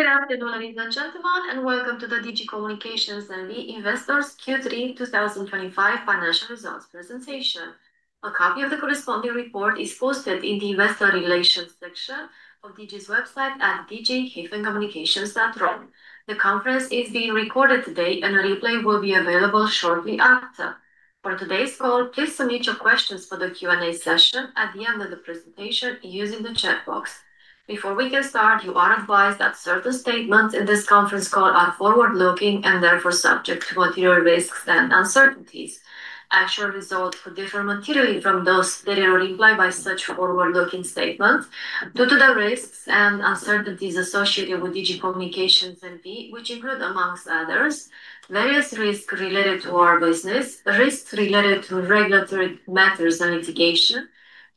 Good afternoon, everyone, and welcome to the Digi Communications and Investors Q3 2025 financial results presentation. A copy of the corresponding report is posted in the Investor Relations section of Digi's website at digi-communications.org. The conference is being recorded today, and a replay will be available shortly after. For today's call, please submit your questions for the Q&A session at the end of the presentation using the chat box. Before we can start, you are advised that certain statements in this conference call are forward-looking and therefore subject to material risks and uncertainties. Actual results could differ materially from those that are implied by such forward-looking statements. Due to the risks and uncertainties associated with Digi Communications and Investor Relations, which include, amongst others, various risks related to our business, risks related to regulatory matters and litigation,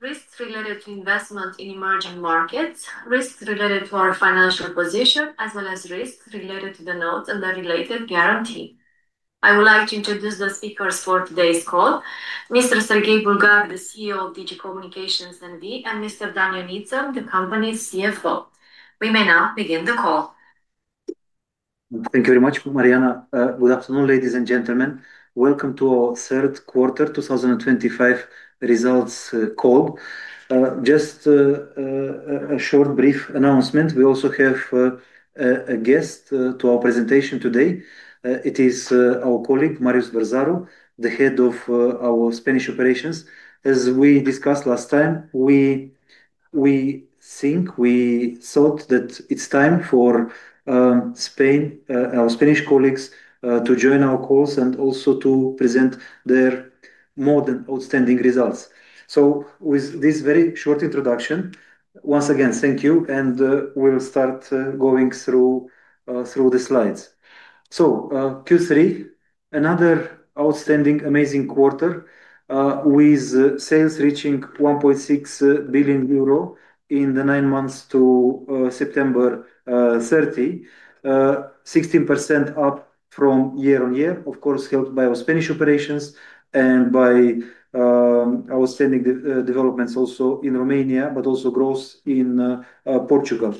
risks related to investment in emerging markets, risks related to our financial position, as well as risks related to the notes and the related guarantee. I would like to introduce the speakers for today's call: Mr. Serghei Bulgac, the CEO of Digi Communications and Investors, and Mr. Dan Ionita, the company's CFO. We may now begin the call. Thank you very much, Mariana. Good afternoon, ladies and gentlemen. Welcome to our third quarter 2025 results call. Just a short, brief announcement: we also have a guest to our presentation today. It is our colleague, Marius Berzaro, the head of our Spanish operations. As we discussed last time, we think, we thought that it's time for our Spanish colleagues to join our calls and also to present their modern, outstanding results. With this very short introduction, once again, thank you, and we'll start going through the slides. Q3, another outstanding, amazing quarter with sales reaching 1.6 billion euro in the nine months to September 30, 16% up from year-on-year, of course, helped by our Spanish operations and by outstanding developments also in Romania, but also growth in Portugal.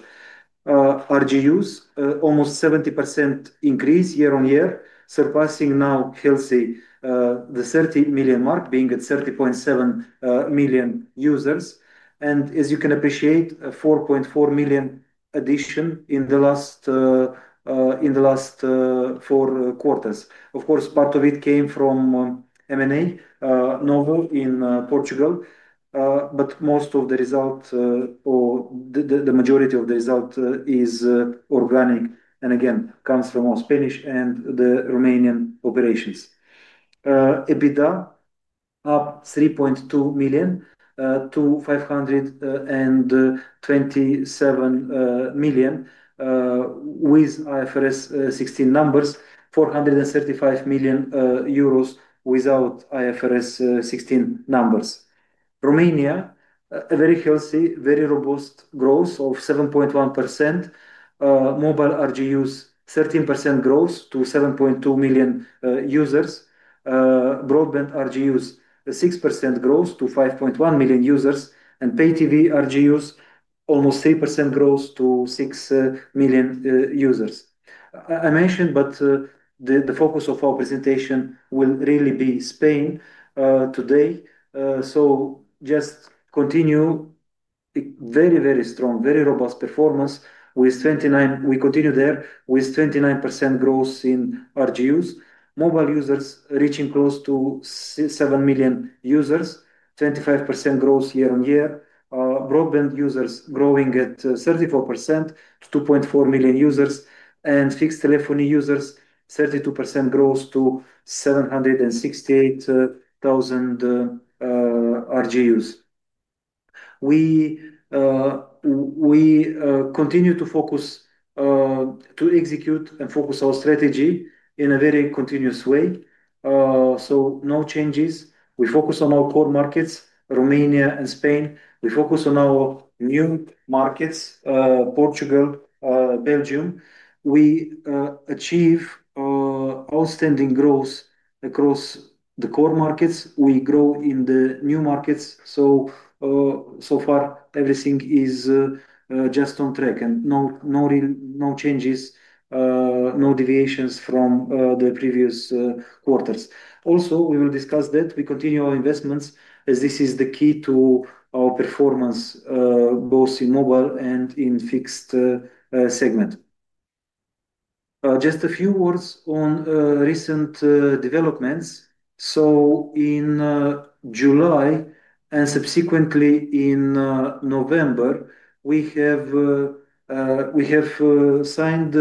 RGUs, almost 70% increase year-on-year, surpassing now, he'll say, the 30 million mark, being at 30.7 million users. As you can appreciate, 4.4 million addition in the last four quarters. Of course, part of it came from M&A in Portugal, but most of the result, or the majority of the result, is organic and again, comes from our Spanish and the Romanian operations. EBITDA, up 3.2 million to 527 million with IFRS 16 numbers, 435 million euros without IFRS 16 numbers. Romania, a very healthy, very robust growth of 7.1%. Mobile RGUs, 13% growth to 7.2 million users. Broadband RGUs, 6% growth to 5.1 million users. Pay TV RGUs, almost 3% growth to 6 million users. I mentioned, but the focus of our presentation will really be Spain today. Just continue very, very strong, very robust performance with 29% growth in RGUs. Mobile users reaching close to 7 million users, 25% growth year-on-year. Broadband users growing at 34% to 2.4 million users. Fixed telephony users, 32% growth to 768,000 RGUs. We continue to focus, to execute and focus our strategy in a very continuous way. No changes. We focus on our core markets, Romania and Spain. We focus on our new markets, Portugal, Belgium. We achieve outstanding growth across the core markets. We grow in the new markets. So far, everything is just on track and no changes, no deviations from the previous quarters. Also, we will discuss that we continue our investments as this is the key to our performance, both in mobile and in fixed segment. Just a few words on recent developments. In July and subsequently in November, we have signed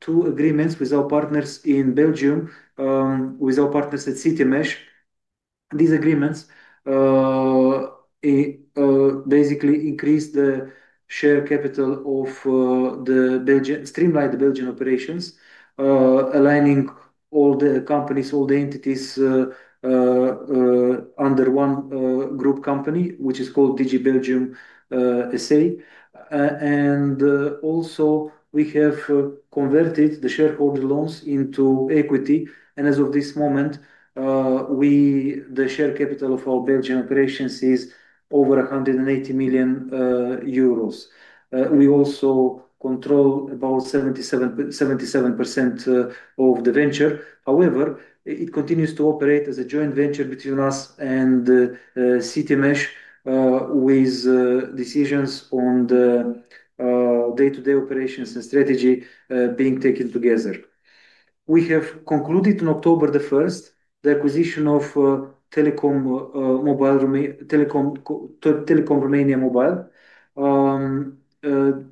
two agreements with our partners in Belgium, with our partners at CityMesh. These agreements basically increase the share capital of the Belgian, streamline the Belgian operations, aligning all the companies, all the entities under one group company, which is called Digi Belgium SA. We have also converted the shareholder loans into equity. As of this moment, the share capital of our Belgian operations is over 180 million euros. We also control about 77% of the venture. However, it continues to operate as a joint venture between us and CityMesh with decisions on the day-to-day operations and strategy being taken together. We have concluded on October 1, the acquisition of Telekom Romania Mobile.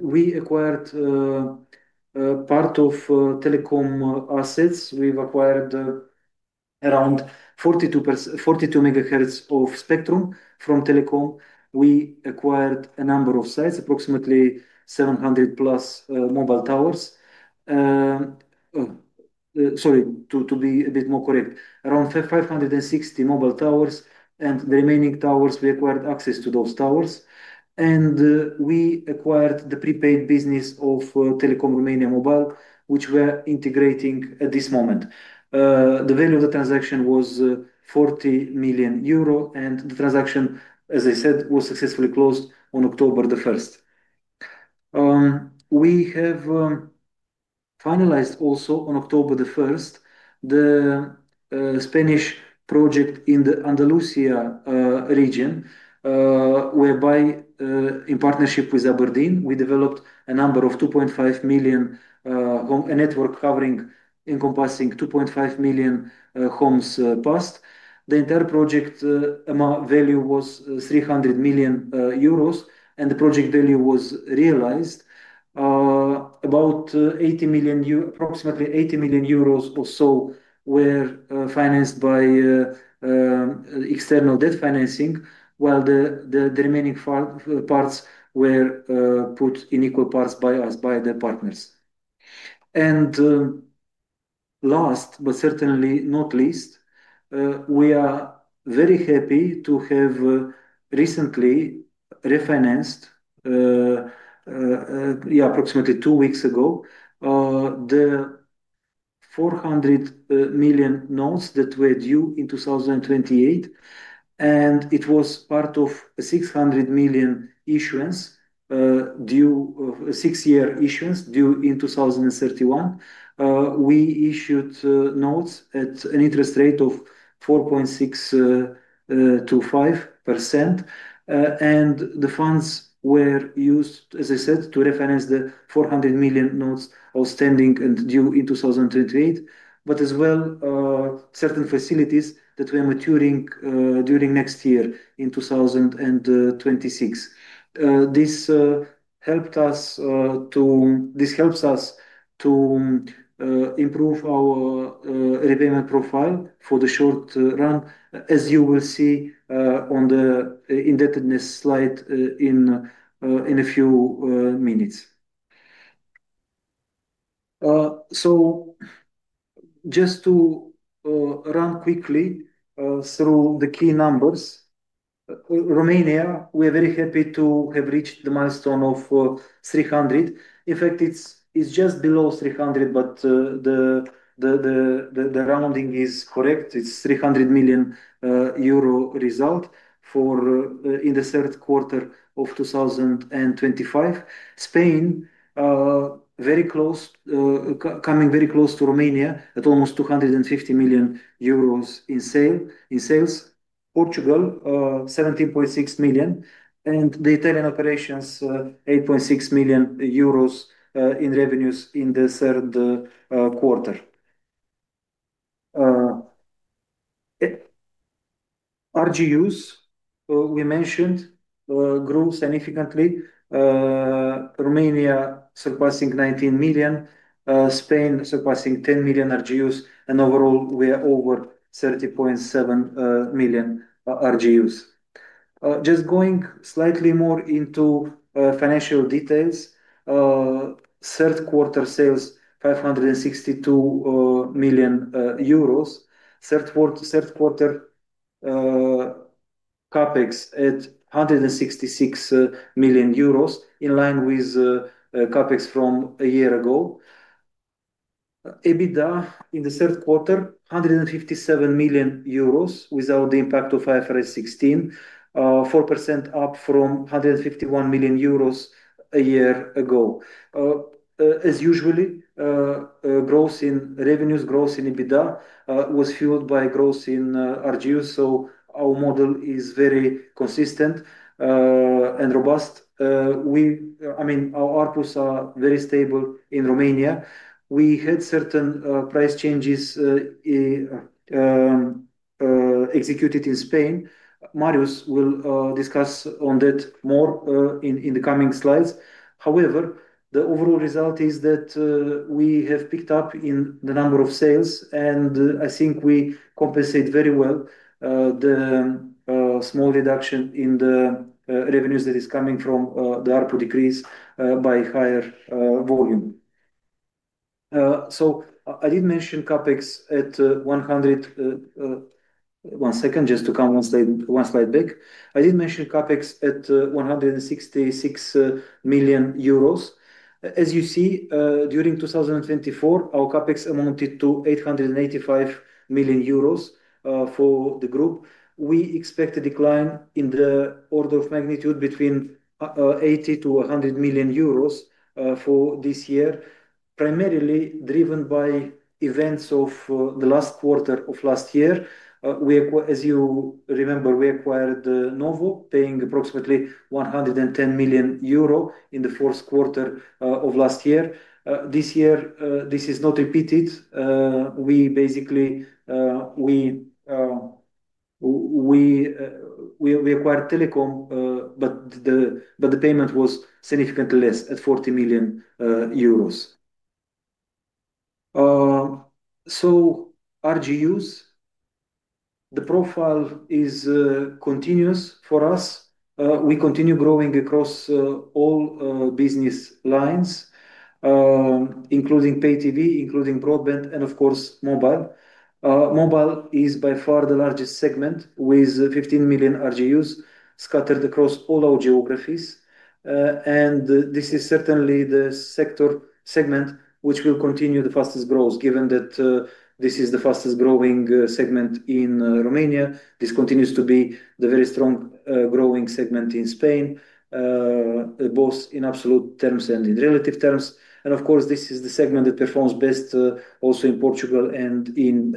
We acquired part of Telekom assets. We have acquired around 42 megahertz of spectrum from Telekom. We acquired a number of sites, approximately 700 plus mobile towers. Sorry, to be a bit more correct, around 560 mobile towers and the remaining towers, we acquired access to those towers. We acquired the prepaid business of Telekom Romania Mobile, which we are integrating at this moment. The value of the transaction was 40 million euro, and the transaction, as I said, was successfully closed on October the 1st. We have finalized also on October the 1st the Spanish project in the Andalusia region, whereby in partnership with Aberdeen, we developed a number of 2.5 million network covering encompassing 2.5 million homes passed. The entire project value was 300 million euros, and the project value was realized about 80 million euro, approximately 80 million euros or so, were financed by external debt financing, while the remaining parts were put in equal parts by us, by the partners. Last, but certainly not least, we are very happy to have recently refinanced, yeah, approximately two weeks ago, the 400 million notes that were due in 2028. It was part of a 600 million issuance, six-year issuance due in 2031. We issued notes at an interest rate of 4.6-5%. The funds were used, as I said, to refinance the 400 million notes outstanding and due in 2028, but as well certain facilities that are maturing during next year in 2026. This helps us to improve our repayment profile for the short run, as you will see on the indebtedness slide in a few minutes. Just to run quickly through the key numbers, Romania, we are very happy to have reached the milestone of 300. In fact, it is just below 300, but the rounding is correct. It's 300 million euro result for in the third quarter of 2025. Spain, very close, coming very close to Romania at almost 250 million euros in sales. Portugal, 17.6 million, and the Italian operations, 8.6 million euros in revenues in the third quarter. RGUs, we mentioned, grew significantly. Romania surpassing 19 million, Spain surpassing 10 million RGUs, and overall we are over 30.7 million RGUs. Just going slightly more into financial details, third quarter sales, 562 million euros, third quarter CapEx at 166 million euros, in line with CapEx from a year ago. EBITDA in the third quarter, 157 million euros without the impact of IFRS 16, 4% up from 151 million euros a year ago. As usual, growth in revenues, growth in EBITDA was fueled by growth in RGUs. I mean, our ARPUs are very stable in Romania. We had certain price changes executed in Spain. Marius will discuss on that more in the coming slides. However, the overall result is that we have picked up in the number of sales, and I think we compensate very well the small reduction in the revenues that is coming from the ARPU decrease by higher volume. I did mention CapEx at 100, one second, just to come one slide back. I did mention CapEx at 166 million euros. As you see, during 2024, our CapEx amounted to 885 million euros for the group. We expect a decline in the order of magnitude between 80-100 million euros for this year, primarily driven by events of the last quarter of last year. As you remember, we acquired Novo, paying approximately 110 million euro in the fourth quarter of last year. This year, this is not repeated. We basically, we acquired Telekom Romania Mobile, but the payment was significantly less at 40 million euros. RGUs, the profile is continuous for us. We continue growing across all business lines, including Pay TV, including broadband, and of course, mobile. Mobile is by far the largest segment with 15 million RGUs scattered across all our geographies. This is certainly the segment which will continue the fastest growth, given that this is the fastest growing segment in Romania. This continues to be the very strong growing segment in Spain, both in absolute terms and in relative terms. This is the segment that performs best also in Portugal and in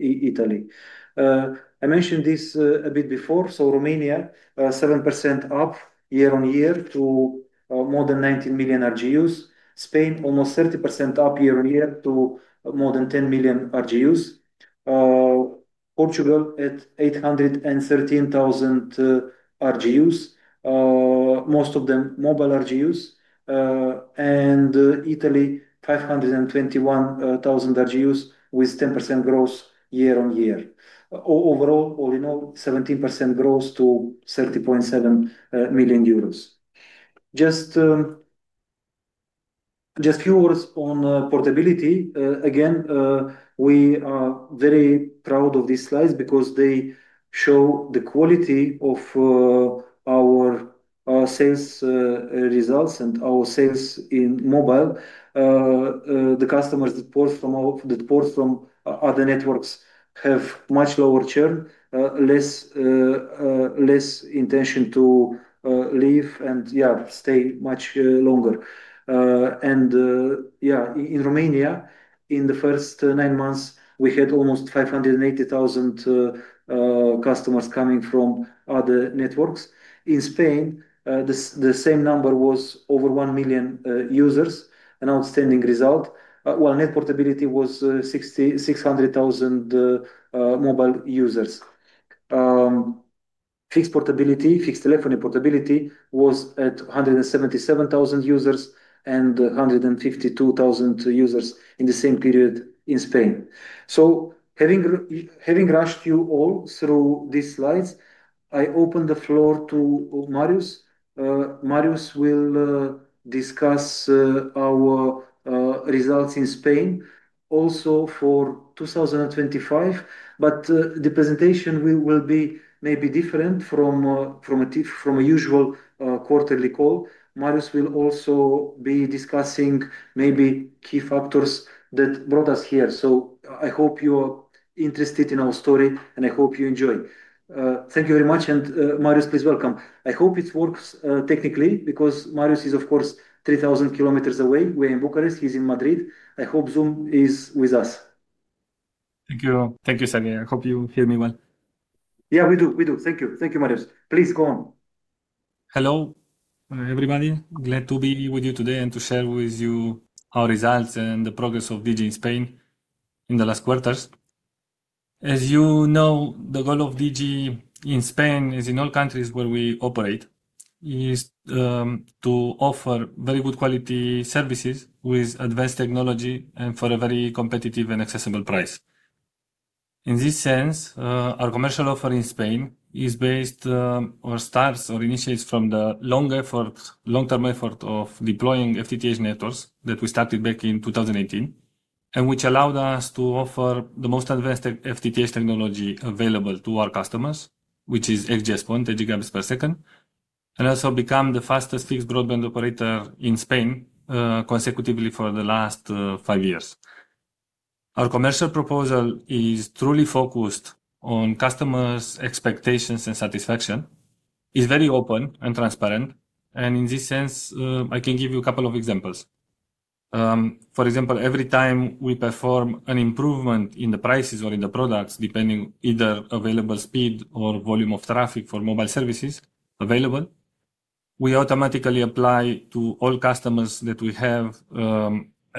Italy. I mentioned this a bit before. Romania, 7% up year-on-year to more than 19 million RGUs. Spain, almost 30% up year-on-year to more than 10 million RGUs. Portugal at 813,000 RGUs, most of them mobile RGUs. Italy, 521,000 RGUs with 10% growth year-on-year. Overall, all in all, 17% growth to 30.7 million euros. Just a few words on portability. Again, we are very proud of these slides because they show the quality of our sales results and our sales in mobile. The customers that port from other networks have much lower churn, less intention to leave and, yeah, stay much longer. Yeah, in Romania, in the first nine months, we had almost 580,000 customers coming from other networks. In Spain, the same number was over 1 million users, an outstanding result, while net portability was 600,000 mobile users. Fixed telephony portability was at 177,000 users and 152,000 users in the same period in Spain. Having rushed you all through these slides, I open the floor to Marius. Marius will discuss our results in Spain also for 2025, but the presentation will be maybe different from a usual quarterly call. Marius will also be discussing maybe key factors that brought us here. I hope you are interested in our story, and I hope you enjoy. Thank you very much. Marius, please welcome. I hope it works technically because Marius is, of course, 3,000 kilometers away. We are in Bucharest. He is in Madrid. I hope Zoom is with us. Thank you. Thank you, Serghei. I hope you hear me well. Yeah, we do. We do. Thank you. Thank you, Marius. Please go on. Hello, everybody. Glad to be with you today and to share with you our results and the progress of Digi in Spain in the last quarters. As you know, the goal of Digi in Spain, as in all countries where we operate, is to offer very good quality services with advanced technology and for a very competitive and accessible price. In this sense, our commercial offer in Spain is based or starts or initiates from the long-term effort of deploying FTTH networks that we started back in 2018, and which allowed us to offer the most advanced FTTH technology available to our customers, which is XGS-PON, the gigabits per second, and also become the fastest fixed broadband operator in Spain consecutively for the last five years. Our commercial proposal is truly focused on customers' expectations and satisfaction. It is very open and transparent. In this sense, I can give you a couple of examples. For example, every time we perform an improvement in the prices or in the products, depending either available speed or volume of traffic for mobile services available, we automatically apply to all customers that we have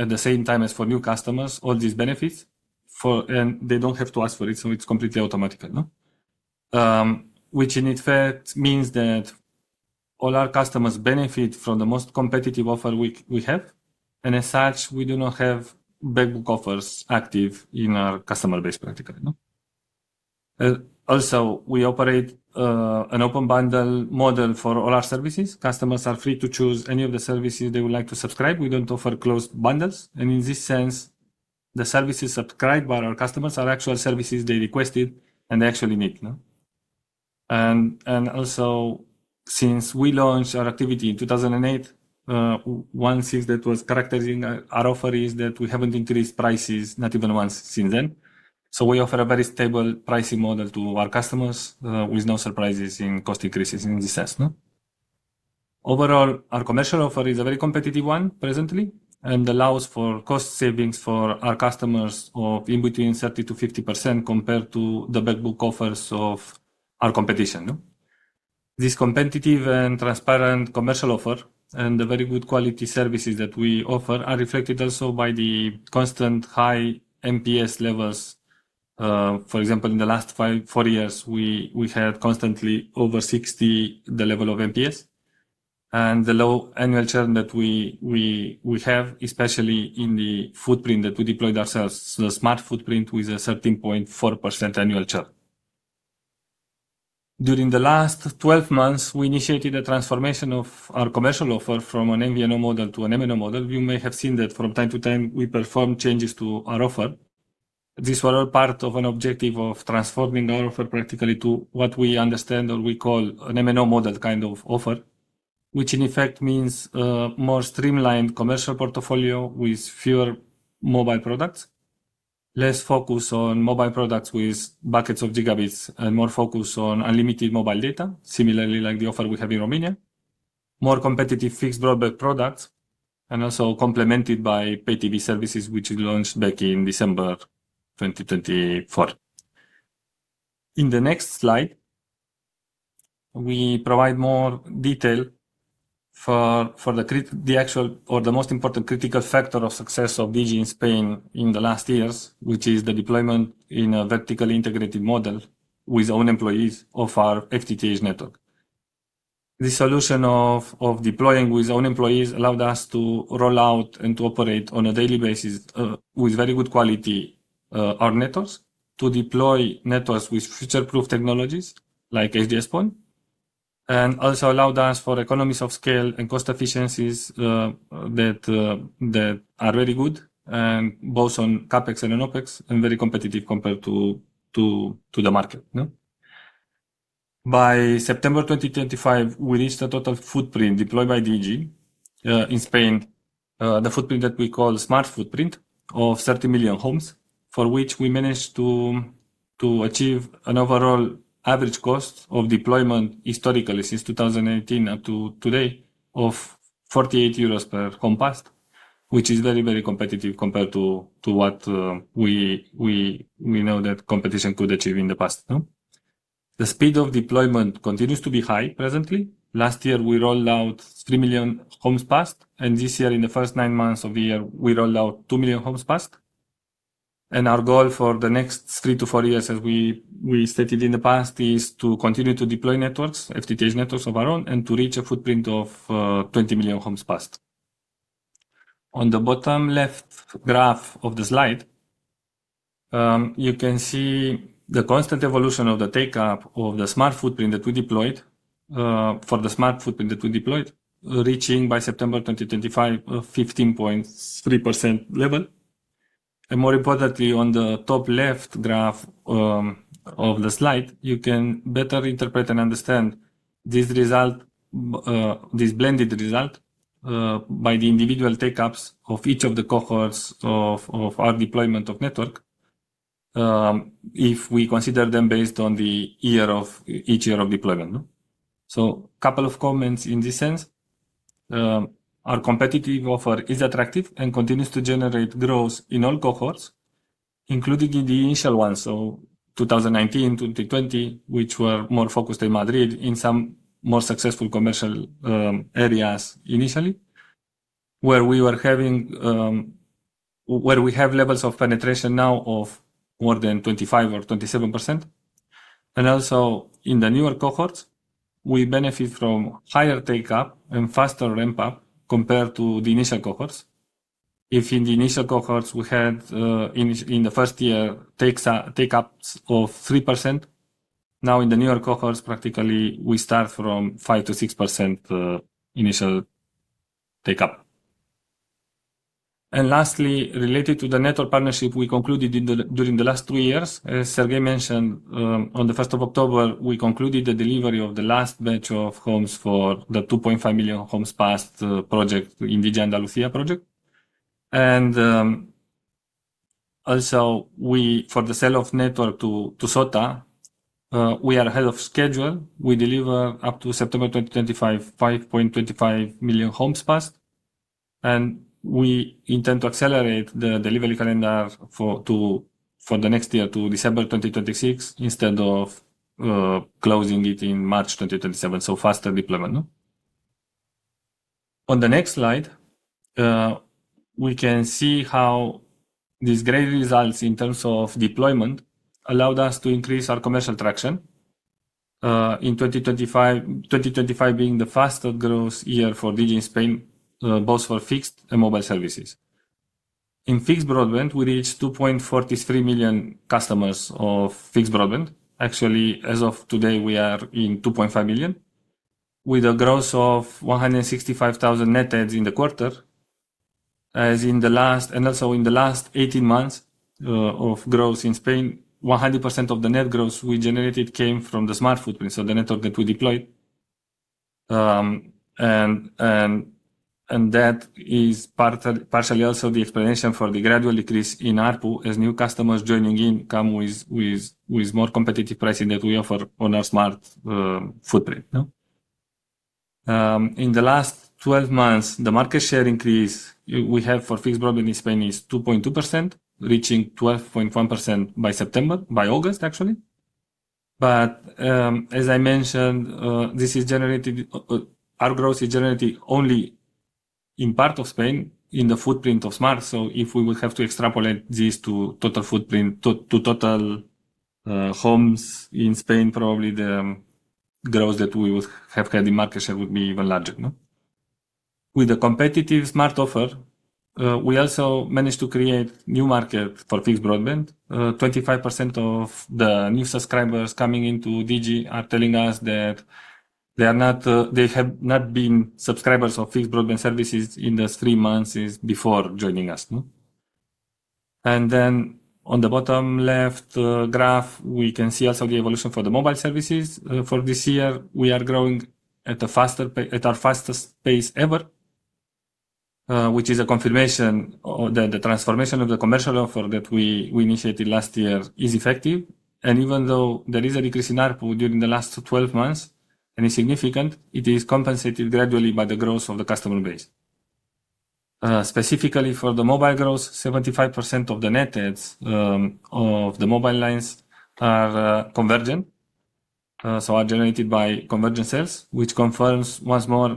at the same time as for new customers all these benefits, and they do not have to ask for it. It is completely automatic, which in effect means that all our customers benefit from the most competitive offer we have. As such, we do not have backbook offers active in our customer base practically. Also, we operate an open bundle model for all our services. Customers are free to choose any of the services they would like to subscribe. We do not offer closed bundles. In this sense, the services subscribed by our customers are actual services they requested and they actually need. Also, since we launched our activity in 2008, one thing that was characterizing our offer is that we have not increased prices not even once since then. We offer a very stable pricing model to our customers with no surprises in cost increases in this sense. Overall, our commercial offer is a very competitive one presently and allows for cost savings for our customers of in between 30-50% compared to the backbook offers of our competition. This competitive and transparent commercial offer and the very good quality services that we offer are reflected also by the constant high MPS levels. For example, in the last four years, we had constantly over 60 the level of MPS and the low annual churn that we have, especially in the footprint that we deployed ourselves, the smart footprint with a 13.4% annual churn. During the last 12 months, we initiated a transformation of our commercial offer from an MVNO model to an MNO model. You may have seen that from time to time, we perform changes to our offer. This was all part of an objective of transforming our offer practically to what we understand or we call an MNO model kind of offer, which in effect means a more streamlined commercial portfolio with fewer mobile products, less focus on mobile products with buckets of gigabits, and more focus on unlimited mobile data, similarly like the offer we have in Romania, more competitive fixed broadband products, and also complemented by Pay TV services, which is launched back in December 2024. In the next slide, we provide more detail for the actual or the most important critical factor of success of Digi in Spain in the last years, which is the deployment in a vertically integrated model with own employees of our FTTH network. The solution of deploying with own employees allowed us to roll out and to operate on a daily basis with very good quality our networks, to deploy networks with future-proof technologies like XGS-PON, and also allowed us for economies of scale and cost efficiencies that are very good both on CapEx and on OpEx and very competitive compared to the market. By September 2025, we reached a total footprint deployed by Digi in Spain, the footprint that we call smart footprint of 30 million homes, for which we managed to achieve an overall average cost of deployment historically since 2018 up to today of 48 euros per home passed, which is very, very competitive compared to what we know that competition could achieve in the past. The speed of deployment continues to be high presently. Last year, we rolled out 3 million homes passed, and this year, in the first nine months of the year, we rolled out 2 million homes passed. Our goal for the next three to four years, as we stated in the past, is to continue to deploy networks, FTTH networks of our own, and to reach a footprint of 20 million homes passed. On the bottom left graph of the slide, you can see the constant evolution of the take-up of the smart footprint that we deployed, reaching by September 2025, 15.3% level. More importantly, on the top left graph of the slide, you can better interpret and understand this result, this blended result, by the individual take-ups of each of the cohorts of our deployment of network if we consider them based on the year of each year of deploymen A couple of comments in this sense. Our competitive offer is attractive and continues to generate growth in all cohorts, including in the initial ones, so 2019, 2020, which were more focused in Madrid in some more successful commercial areas initially, where we have levels of penetration now of more than 25% or 27%. Also, in the newer cohorts, we benefit from higher take-up and faster ramp-up compared to the initial cohorts. If in the initial cohorts, we had in the first year take-ups of 3%, now in the newer cohorts, practically we start from 5-6% initial take-up. Lastly, related to the network partnership we concluded during the last two years, as Serghei mentioned, on the 1st of October, we concluded the delivery of the last batch of homes for the 2.5 million homes passed project in the Gianna Lucia project. Also, for the sale of network to SOTA, we are ahead of schedule. We deliver up to September 2025, 5.25 million homes passed. We intend to accelerate the delivery calendar for the next year, to December 2026, instead of closing it in March 2027. Faster deployment. On the next slide, we can see how these great results in terms of deployment allowed us to increase our commercial traction in 2025, 2025 being the fastest growth year for Digi in Spain, both for fixed and mobile services. In fixed broadband, we reached 2.43 million customers of fixed broadband. Actually, as of today, we are in 2.5 million with a growth of 165,000 nets in the quarter. As in the last, and also in the last 18 months of growth in Spain, 100% of the net growth we generated came from the smart footprint, so the network that we deployed. That is partially also the explanation for the gradual decrease in ARPU as new customers joining in come with more competitive pricing that we offer on our smart footprint. In the last 12 months, the market share increase we have for fixed broadband in Spain is 2.2%, reaching 12.1% by September, by August, actually. As I mentioned, this is generated, our growth is generated only in part of Spain in the footprint of smart. If we would have to extrapolate this to total footprint, to total homes in Spain, probably the growth that we would have had in market share would be even larger. With the competitive smart offer, we also managed to create a new market for fixed broadband. 25% of the new subscribers coming into Digi are telling us that they have not been subscribers of fixed broadband services in the three months before joining us. On the bottom left graph, we can see also the evolution for the mobile services. For this year, we are growing at our fastest pace ever, which is a confirmation that the transformation of the commercial offer that we initiated last year is effective. Even though there is a decrease in ARPU during the last 12 months, and it is significant, it is compensated gradually by the growth of the customer base. Specifically for the mobile growth, 75% of the nets of the mobile lines are convergent, so are generated by convergent sales, which confirms once more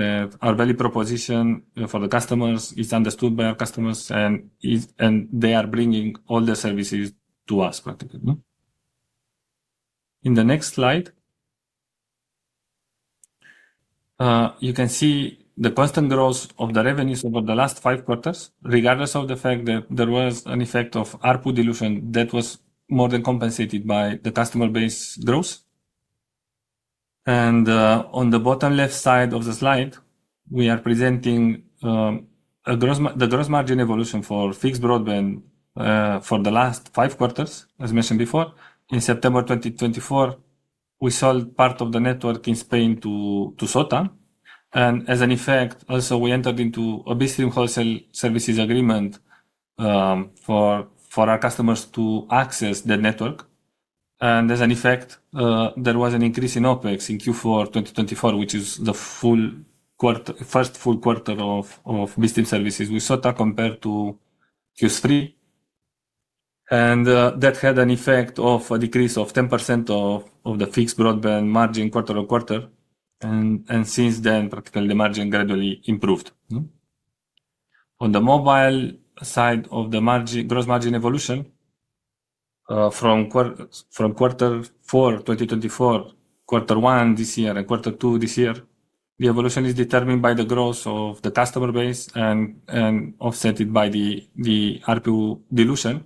that our value proposition for the customers is understood by our customers, and they are bringing all the services to us, practically. In the next slide, you can see the constant growth of the revenues over the last five quarters, regardless of the fact that there was an effect of ARPU dilution that was more than compensated by the customer base growth. On the bottom left side of the slide, we are presenting the gross margin evolution for fixed broadband for the last five quarters, as mentioned before. In September 2024, we sold part of the network in Spain to SOTA. As an effect, also, we entered into a Bistrim wholesale services agreement for our customers to access the network. As an effect, there was an increase in OpEx in Q4 2024, which is the first full quarter of Bistrim services with SOTA compared to Q3. That had an effect of a decrease of 10% of the fixed broadband margin quarter on quarter. Since then, practically, the margin gradually improved. On the mobile side of the gross margin evolution, from quarter four 2024, quarter one this year, and quarter two this year, the evolution is determined by the growth of the customer base and offset by the ARPU dilution.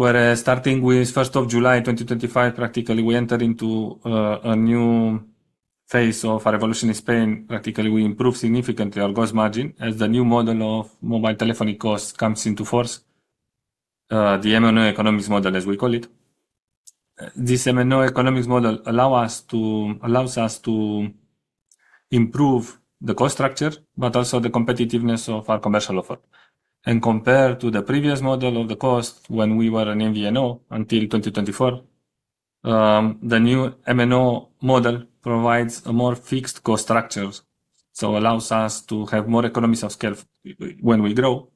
Whereas starting with 1st of July 2025, practically, we entered into a new phase of our evolution in Spain. Practically, we improved significantly our gross margin as the new model of mobile telephony costs comes into force, the MNO economics model, as we call it. This MNO economics model allows us to improve the cost structure, but also the competitiveness of our commercial offer. Compared to the previous model of the cost when we were an MVNO until 2024, the new MNO model provides a more fixed cost structure, so allows us to have more economies of scale when we grow.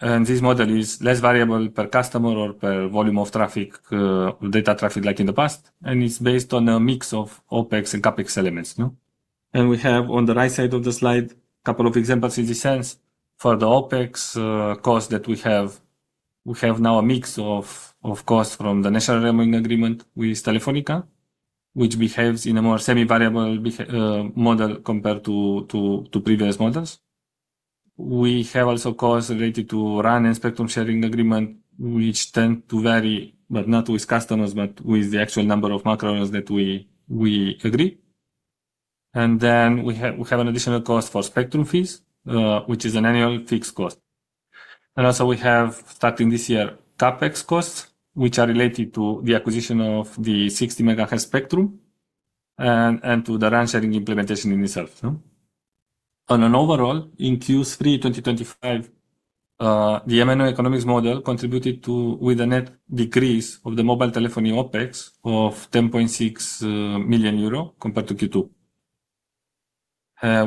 This model is less variable per customer or per volume of traffic, data traffic, like in the past. It is based on a mix of OpEx and CapEx elements. We have on the right side of the slide a couple of examples in this sense for the OpEx cost that we have. We have now a mix of costs from the national revenue agreement with Telefónica, which behaves in a more semi-variable model compared to previous models. We have also costs related to RAN and spectrum sharing agreement, which tend to vary, but not with customers, but with the actual number of macro owner that we agree. We have an additional cost for spectrum fees, which is an annual fixed cost. We have, starting this year, CapEx costs, which are related to the acquisition of the 60 megahertz spectrum and to the RAN sharing implementation in itself. On an overall, in Q3 2025, the MNO economics model contributed to a net decrease of the mobile telephony OpEx of 10.6 million euro compared to Q2.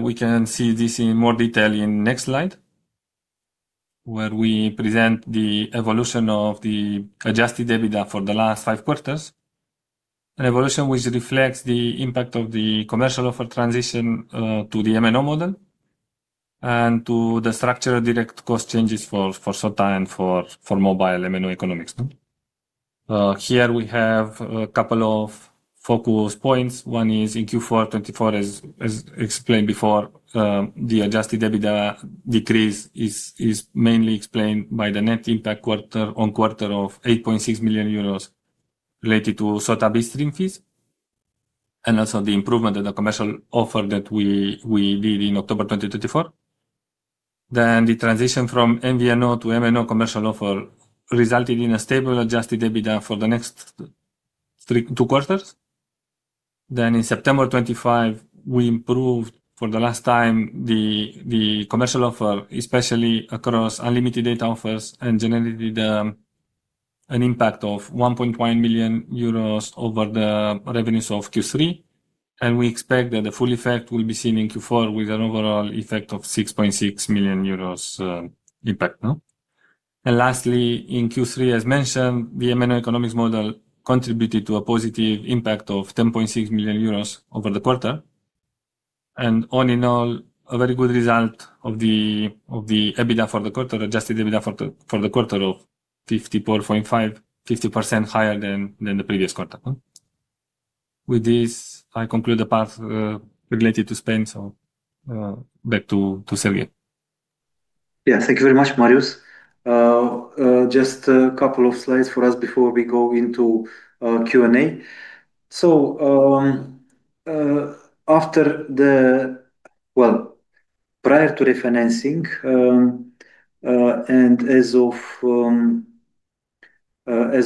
We can see this in more detail in the next slide, where we present the evolution of the adjusted EBITDA for the last five quarters, an evolution which reflects the impact of the commercial offer transition to the MNO model and to the structural direct cost changes for SOTA and for mobile MNO economics. Here we have a couple of focus points. One is in Q4 2024, as explained before, the adjusted EBITDA decrease is mainly explained by the net impact quarter on quarter of 8.6 million euros related to SOTA Bistrim fees and also the improvement of the commercial offer that we did in October 2024. The transition from MVNO to MNO commercial offer resulted in a stable adjusted EBITDA for the next three to four quarters. In September 25, we improved for the last time the commercial offer, especially across unlimited data offers, and generated an impact of 1.1 million euros over the revenues of Q3. We expect that the full effect will be seen in Q4 with an overall effect of 6.6 million euros impact. Lastly, in Q3, as mentioned, the MNO economics model contributed to a positive impact of 10.6 million euros over the quarter. All in all, a very good result of the EBITDA for the quarter, adjusted EBITDA for the quarter of 54.5, 50% higher than the previous quarter. With this, I conclude the part related to Spain. Back to Serghei. Yeah, thank you very much, Marius. Just a couple of slides for us before we go into Q&A. After the, well, prior to refinancing and as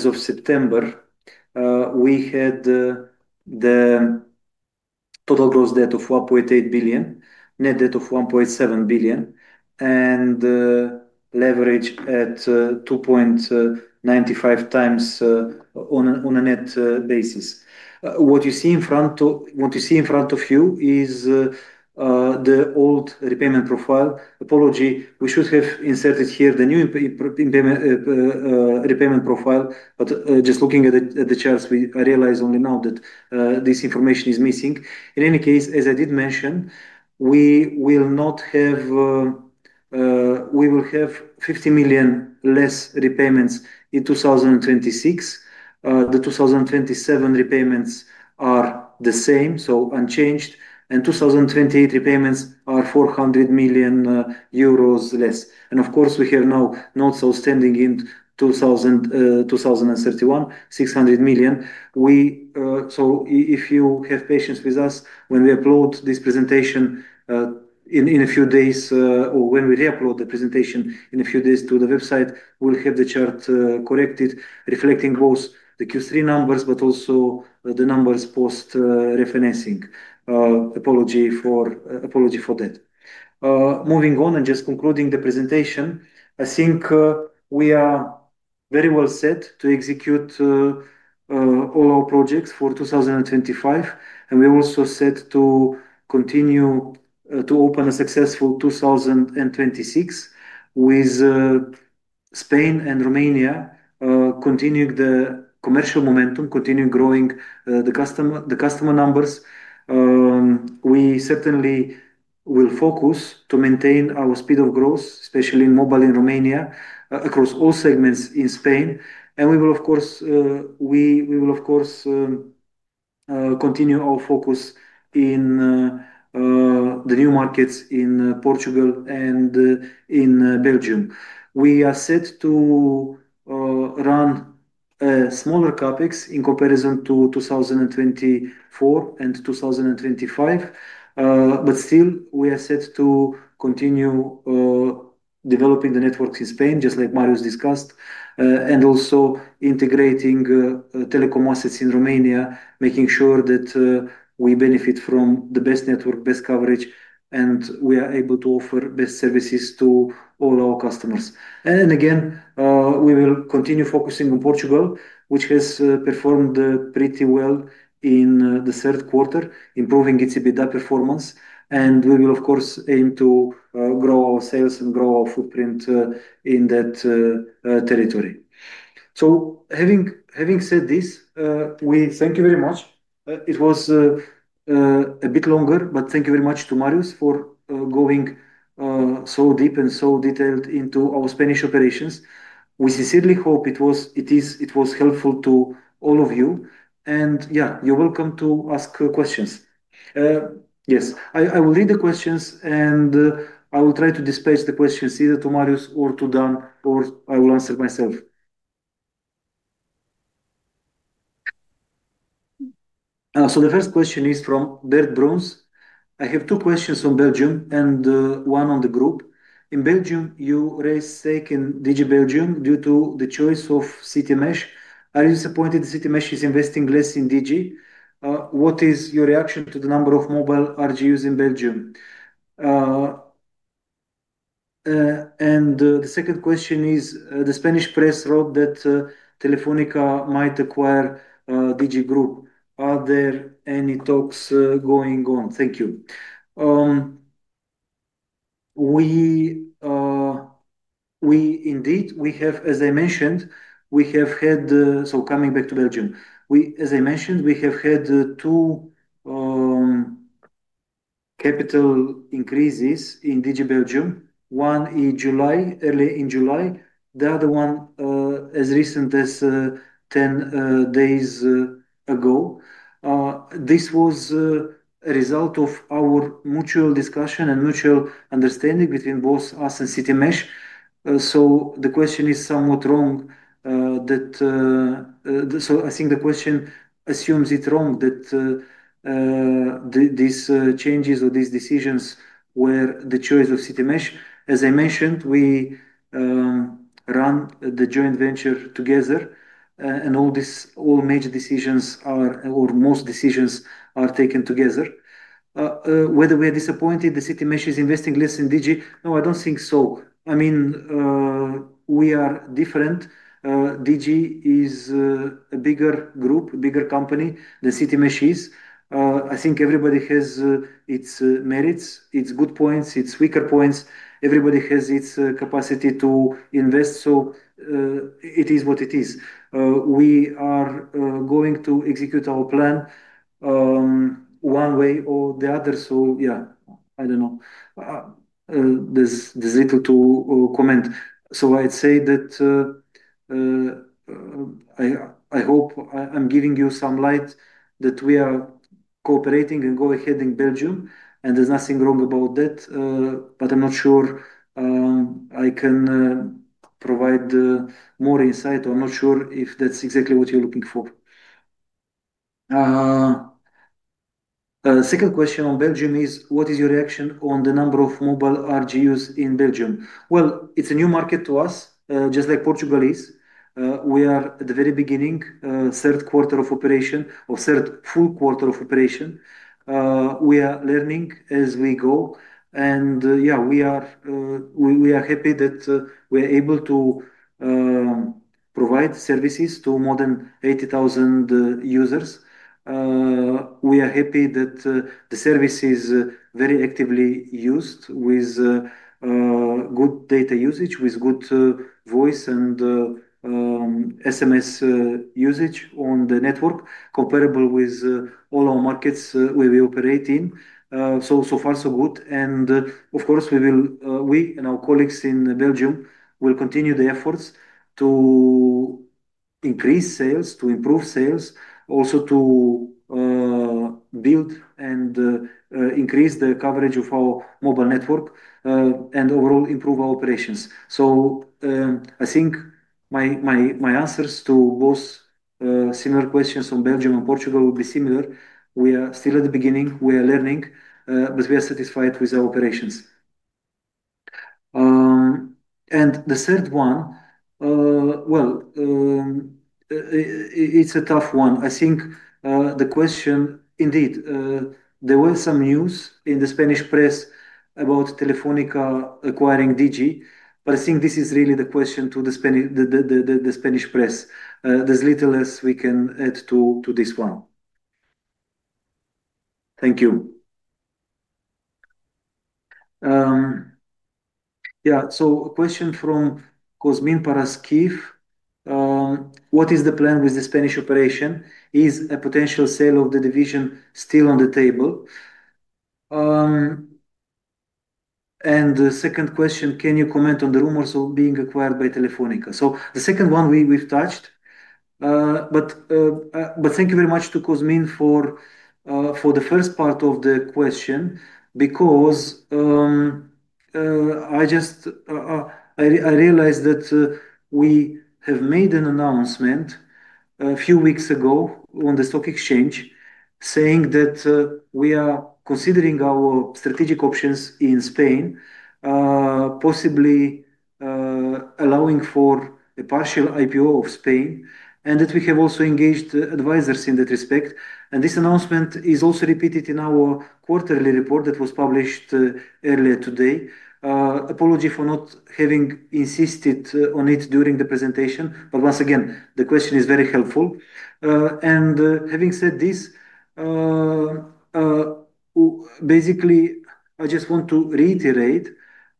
of September, we had the total gross debt of 1.8 billion, net debt of 1.7 billion, and leverage at 2.95 times on a net basis. What you see in front, what you see in front of you is the old repayment profile. Apology, we should have inserted here the new repayment profile, but just looking at the charts, I realize only now that this information is missing. In any case, as I did mention, we will not have, we will have 50 million less repayments in 2026. The 2027 repayments are the same, so unchanged, and 2028 repayments are 400 million euros less. Of course, we have now notes outstanding in 2031, 600 million. If you have patience with us, when we upload this presentation in a few days, or when we re-upload the presentation in a few days to the website, we will have the chart corrected, reflecting both the Q3 numbers, but also the numbers post-refinancing. Apology for that. Moving on and just concluding the presentation, I think we are very well set to execute all our projects for 2025, and we are also set to continue to open a successful 2026 with Spain and Romania continuing the commercial momentum, continuing growing the customer numbers. We certainly will focus to maintain our speed of growth, especially in mobile in Romania across all segments in Spain. We will, of course, continue our focus in the new markets in Portugal and in Belgium. We are set to run a smaller CapEx in comparison to 2024 and 2025, but still, we are set to continue developing the networks in Spain, just like Marius discussed, and also integrating telecom assets in Romania, making sure that we benefit from the best network, best coverage, and we are able to offer best services to all our customers. Again, we will continue focusing on Portugal, which has performed pretty well in the third quarter, improving its EBITDA performance. We will, of course, aim to grow our sales and grow our footprint in that territory. Having said this, we thank you very much. It was a bit longer, but thank you very much to Marius for going so deep and so detailed into our Spanish operations. We sincerely hope it was helpful to all of you. Yeah, you're welcome to ask questions. Yes, I will read the questions, and I will try to dispatch the questions either to Marius or to Dan, or I will answer myself. The first question is from Bert Bruns. I have two questions on Belgium and one on the group. In Belgium, you raised SEC in Digi Belgium due to the choice of CityMesh. Are you disappointed that CityMesh is investing less in Digi? What is your reaction to the number of mobile RGUs in Belgium? The second question is, the Spanish press wrote that Telefónica might acquire Digi Group. Are there any talks going on? Thank you. Indeed, we have, as I mentioned, we have had, coming back to Belgium, as I mentioned, we have had two capital increases in Digi Belgium. One in July, early in July. The other one as recent as 10 days ago. This was a result of our mutual discussion and mutual understanding between both us and CityMesh. The question is somewhat wrong. I think the question assumes it wrong that these changes or these decisions were the choice of CityMesh. As I mentioned, we run the joint venture together, and all major decisions or most decisions are taken together. Whether we are disappointed that CityMesh is investing less in Digi? No, I do not think so. I mean, we are different. Digi is a bigger group, a bigger company than CityMesh is. I think everybody has its merits, its good points, its weaker points. Everybody has its capacity to invest, so it is what it is. We are going to execute our plan one way or the other. Yeah, I do not know. There is little to comment. I'd say that I hope I'm giving you some light that we are cooperating and go ahead in Belgium, and there's nothing wrong about that. I'm not sure I can provide more insight. I'm not sure if that's exactly what you're looking for. Second question on Belgium is, what is your reaction on the number of mobile RGUs in Belgium? It is a new market to us, just like Portugal is. We are at the very beginning, third quarter of operation, or third full quarter of operation. We are learning as we go. Yeah, we are happy that we are able to provide services to more than 80,000 users. We are happy that the service is very actively used with good data usage, with good voice and SMS usage on the network, comparable with all our markets where we operate in. So far, so good. Of course, we will, we and our colleagues in Belgium will continue the efforts to increase sales, to improve sales, also to build and increase the coverage of our mobile network and overall improve our operations. I think my answers to both similar questions on Belgium and Portugal will be similar. We are still at the beginning. We are learning, but we are satisfied with our operations. The third one, it is a tough one. I think the question, indeed, there were some news in the Spanish press about Telefónica acquiring Digi, but I think this is really the question to the Spanish press. There is little else we can add to this one. Thank you. Yeah, question from Cosmin Paraskiv. What is the plan with the Spanish operation? Is a potential sale of the division still on the table? The second question, can you comment on the rumors of being acquired by Telefónica? The second one we have touched, but thank you very much to Cosmin for the first part of the question because I just realized that we have made an announcement a few weeks ago on the stock exchange saying that we are considering our strategic options in Spain, possibly allowing for a partial IPO of Spain, and that we have also engaged advisors in that respect. This announcement is also repeated in our quarterly report that was published earlier today. Apology for not having insisted on it during the presentation, but once again, the question is very helpful. Having said this, basically, I just want to reiterate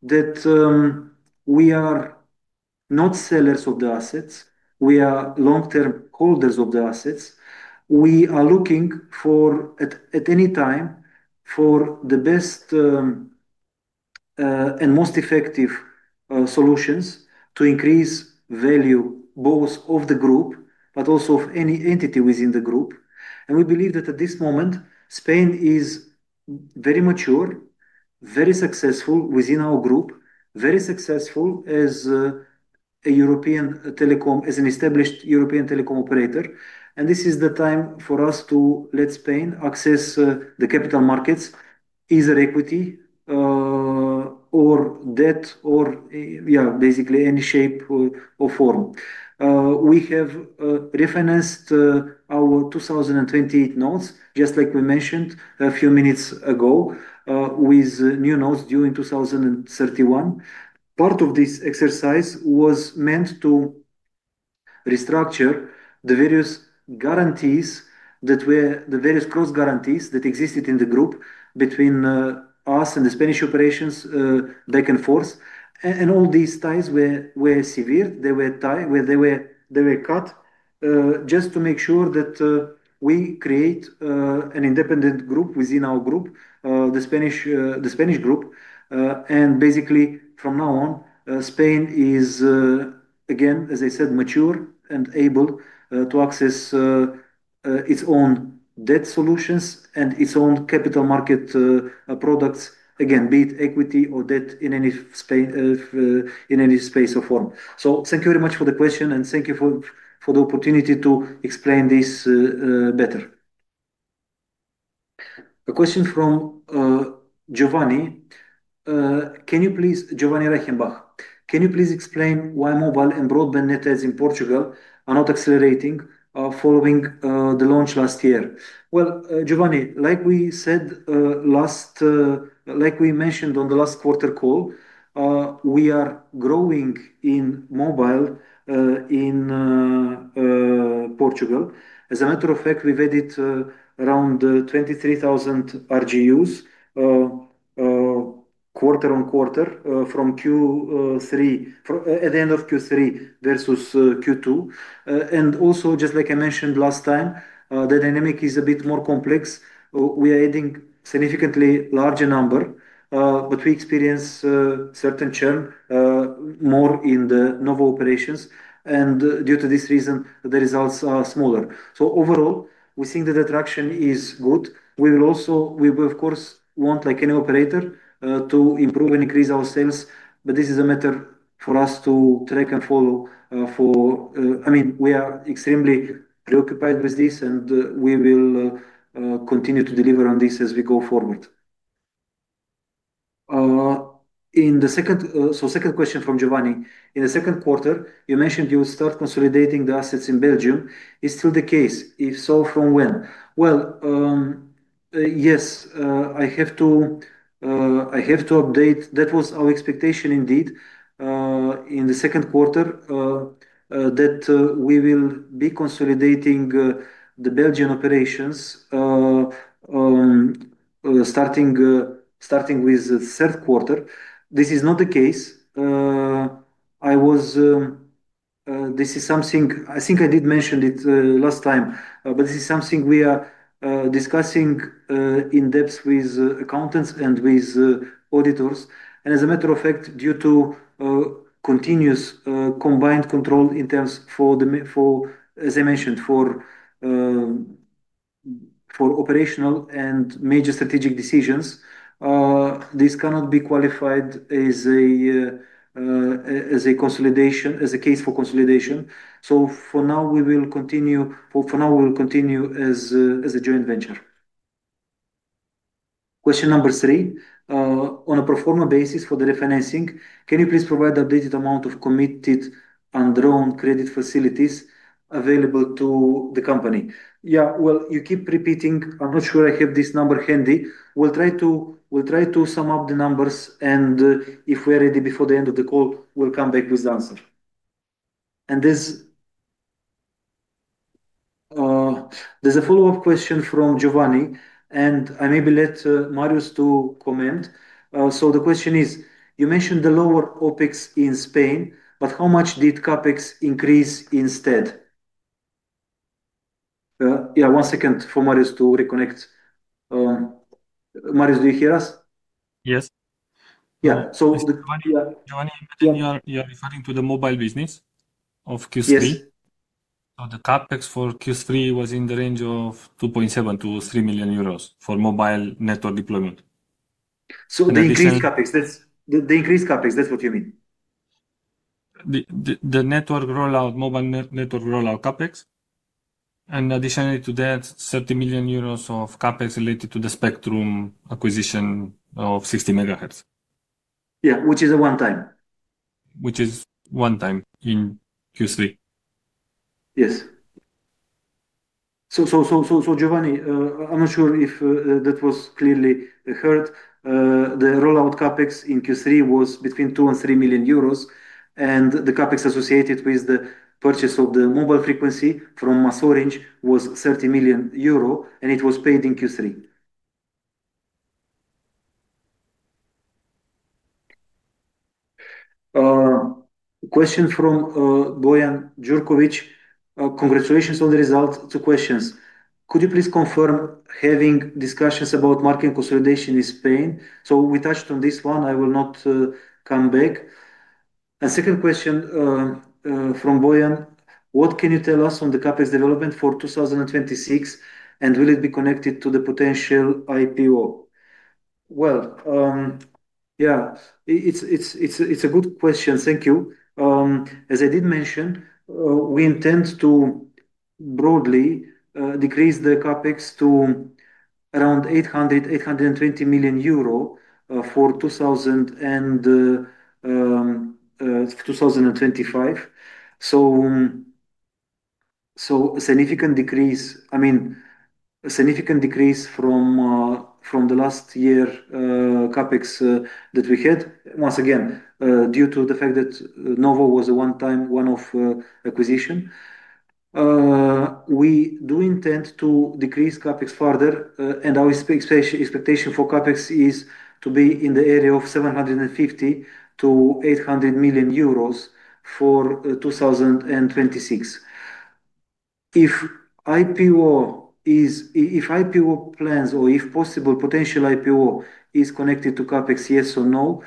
that we are not sellers of the assets. We are long-term holders of the assets. We are looking for, at any time, for the best and most effective solutions to increase value both of the group, but also of any entity within the group. We believe that at this moment, Spain is very mature, very successful within our group, very successful as an established European telecom operator. This is the time for us to let Spain access the capital markets, either equity or debt or, yeah, basically any shape or form. We have refinanced our 2028 notes, just like we mentioned a few minutes ago, with new notes due in 2031. Part of this exercise was meant to restructure the various guarantees that were the various cross-guarantees that existed in the group between us and the Spanish operations, back and forth. All these ties were severed. They were cut just to make sure that we create an independent group within our group, the Spanish group. Basically, from now on, Spain is, again, as I said, mature and able to access its own debt solutions and its own capital market products, again, be it equity or debt in any space or form. Thank you very much for the question, and thank you for the opportunity to explain this better. A question from Giovanni. Can you please, Giovanni Reichenbach, can you please explain why mobile and broadband networks in Portugal are not accelerating following the launch last year? Giovanni, like we said last, like we mentioned on the last quarter call, we are growing in mobile in Portugal. As a matter of fact, we have added around 23,000 RGUs quarter on quarter from Q3, at the end of Q3 versus Q2. Also, just like I mentioned last time, the dynamic is a bit more complex. We are adding a significantly larger number, but we experience certain churn more in the Novo operations. Due to this reason, the results are smaller. Overall, we think the attraction is good. We will also, of course, want, like any operator, to improve and increase our sales, but this is a matter for us to track and follow. I mean, we are extremely preoccupied with this, and we will continue to deliver on this as we go forward. The second question from Giovanni. In the second quarter, you mentioned you would start consolidating the assets in Belgium. Is it still the case? If so, from when? Yes, I have to update. That was our expectation, indeed, in the second quarter, that we will be consolidating the Belgian operations starting with the third quarter. This is not the case. I think I did mention it last time, but this is something we are discussing in depth with accountants and with auditors. As a matter of fact, due to continuous combined control in terms, as I mentioned, for operational and major strategic decisions, this cannot be qualified as a consolidation, as a case for consolidation. For now, we will continue as a joint venture. Question number three. On a pro forma basis for the refinancing, can you please provide the updated amount of committed and drawn credit facilities available to the company? Yeah, you keep repeating. I'm not sure I have this number handy. We'll try to sum up the numbers, and if we are ready before the end of the call, we'll come back with the answer. There's a follow-up question from Giovanni, and I maybe let Marius comment. The question is, you mentioned the lower OpEx in Spain, but how much did CapEx increase instead? One second for Marius to reconnect. Marius, do you hear us? Yes. Yeah. Giovanni, you are referring to the mobile business of Q3? Yes. The CapEx for Q3 was in the range of 2.7-3 million euros for mobile network deployment. The increased CapEx, that's the increased CapEx, that's what you mean? The network rollout, mobile network rollout CapEx. Additionally to that, 30 million euros of CapEx related to the spectrum acquisition of 60 megahertz. Yeah, which is a one-time. Which is one-time in Q3. Yes. Giovanni, I'm not sure if that was clearly heard. The rollout CapEx in Q3 was between 2 million and 3 million euros, and the CapEx associated with the purchase of the mobile frequency from MásMóvil and Orange was 30 million euro, and it was paid in Q3. Question from Bojan Jurković. Congratulations on the results. Two questions. Could you please confirm having discussions about market consolidation in Spain? We touched on this one. I will not come back. Second question from Bojan. What can you tell us on the CapEx development for 2026, and will it be connected to the potential IPO? It is a good question. Thank you. As I did mention, we intend to broadly decrease the CapEx to around EUR 800 million-EUR 820 million for 2025. A significant decrease, I mean, a significant decrease from the last year CapEx that we had, once again, due to the fact that Novo was a one-time one-off acquisition. We do intend to decrease CapEx further, and our expectation for CapEx is to be in the area of 750 million-800 million euros for 2026. If IPO is, if IPO plans or if possible potential IPO is connected to CapEx, yes or no?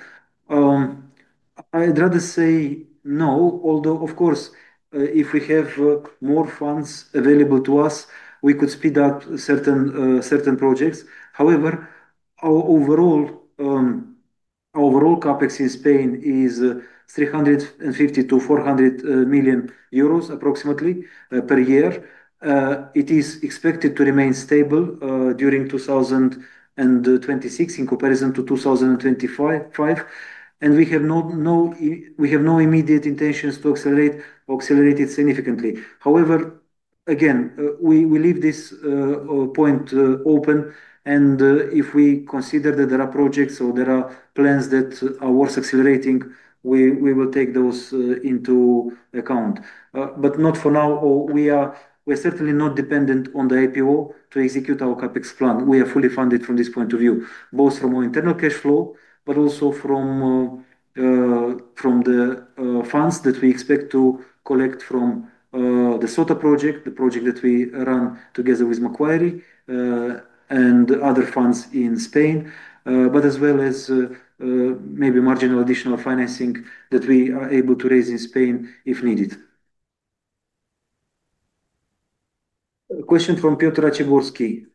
I'd rather say no, although, of course, if we have more funds available to us, we could speed up certain projects. However, our overall CapEx in Spain is 350 million-400 million euros approximately per year. It is expected to remain stable during 2026 in comparison to 2025. We have no immediate intentions to accelerate significantly. However, again, we leave this point open, and if we consider that there are projects or there are plans that are worth accelerating, we will take those into account. Not for now. We are certainly not dependent on the IPO to execute our CapEx plan. We are fully funded from this point of view, both from our internal cash flow, but also from the funds that we expect to collect from the SOTA project, the project that we run together with Macquarie and other funds in Spain, as well as maybe marginal additional financing that we are able to raise in Spain if needed. Question from Piotr Czechurski.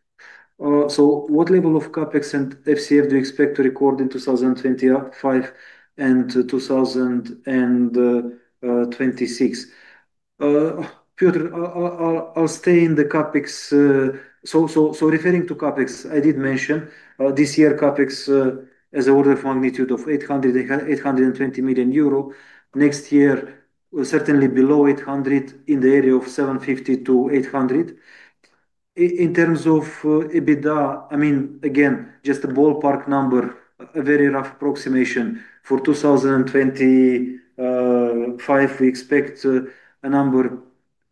What level of CapEx and FCF do you expect to record in 2025 and 2026? Piotr, I'll stay in the CapEx. Referring to CapEx, I did mention this year CapEx as an order of magnitude of 820 million euro. Next year, certainly below 800 million, in the area of 750-800 million. In terms of EBITDA, I mean, again, just a ballpark number, a very rough approximation for 2025, we expect a number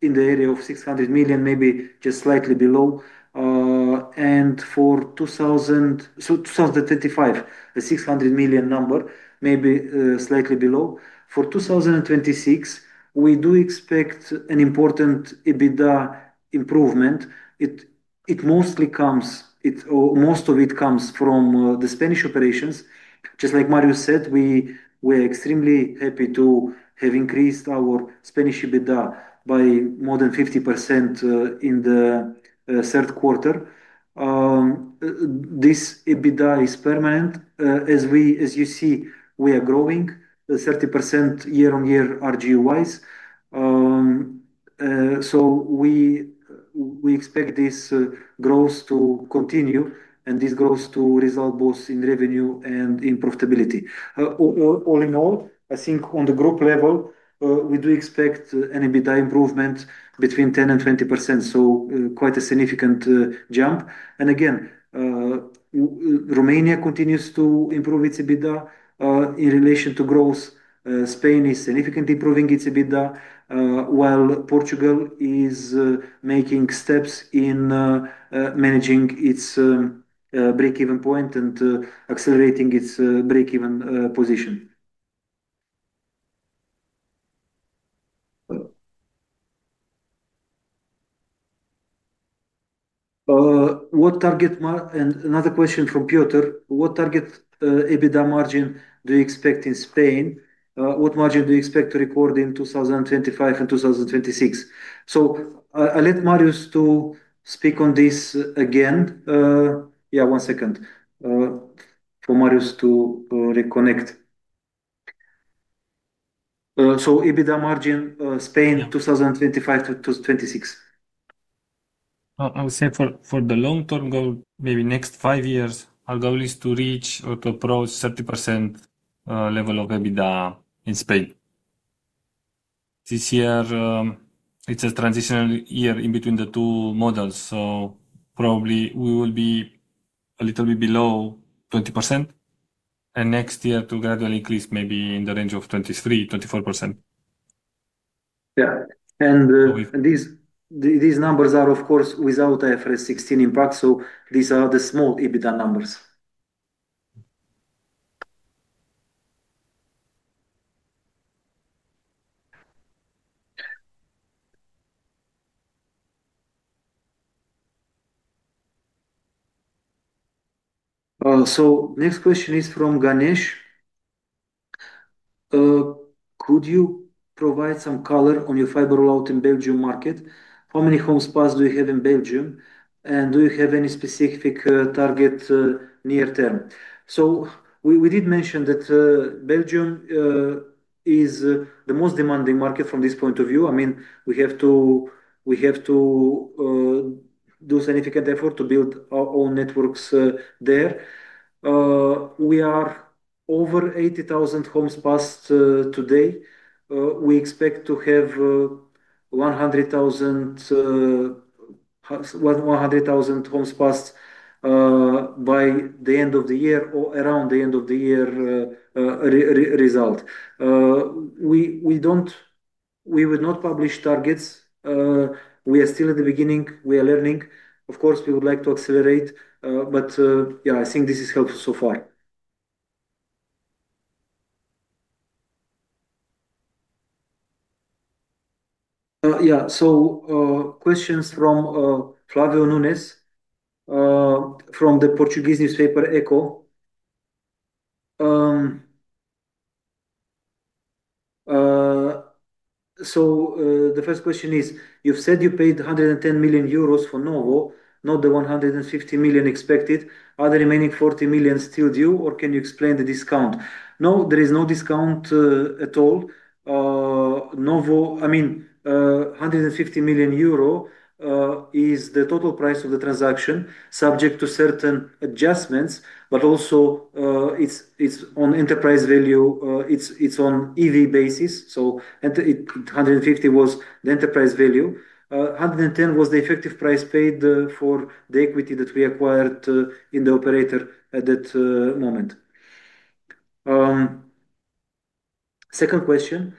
in the area of 600 million, maybe just slightly below. For 2025, the 600 million number, maybe slightly below. For 2026, we do expect an important EBITDA improvement. It mostly comes, most of it comes from the Spanish operations. Just like Marius said, we are extremely happy to have increased our Spanish EBITDA by more than 50% in the third quarter. This EBITDA is permanent. As you see, we are growing 30% year-on-year RGU-wise. We expect this growth to continue, and this growth to result both in revenue and in profitability. All in all, I think on the group level, we do expect an EBITDA improvement between 10% and 20%. Quite a significant jump. Again, Romania continues to improve its EBITDA in relation to growth. Spain is significantly improving its EBITDA, while Portugal is making steps in managing its break-even point and accelerating its break-even position. What target? Another question from Piotr. What target EBITDA margin do you expect in Spain? What margin do you expect to record in 2025 and 2026? I'll let Marius speak on this again. Yeah, one second for Marius to reconnect. EBITDA margin, Spain, 2025-2026. I would say for the long term, maybe next five years, our goal is to reach or to approach 30% level of EBITDA in Spain. This year, it's a transitional year in between the two models. Probably we will be a little bit below 20%, and next year to gradually increase maybe in the range of 23-24%. Yeah. These numbers are, of course, without IFRS 16 impact. These are the small EBITDA numbers. Next question is from Ganesh. Could you provide some color on your fiber rollout in Belgium market? How many homes passed do you have in Belgium? Do you have any specific target near-term? We did mention that Belgium is the most demanding market from this point of view. I mean, we have to do significant effort to build our own networks there. We are over 80,000 homes passed today. We expect to have 100,000 homes passed by the end of the year or around the end of the year result. We will not publish targets. We are still at the beginning. We are learning. Of course, we would like to accelerate, but yeah, I think this is helpful so far. Yeah. Questions from Flavio Nunes from the Portuguese newspaper Echo. The first question is, you've said you paid 110 million euros for Novo, not the 150 million expected. Are the remaining 40 million still due? Or can you explain the discount? No, there is no discount at all. Novo, I mean, 150 million euro is the total price of the transaction subject to certain adjustments, but also it's on enterprise value. It's on EV basis. 150 million was the enterprise value. 110 million was the effective price paid for the equity that we acquired in the operator at that moment. Second question.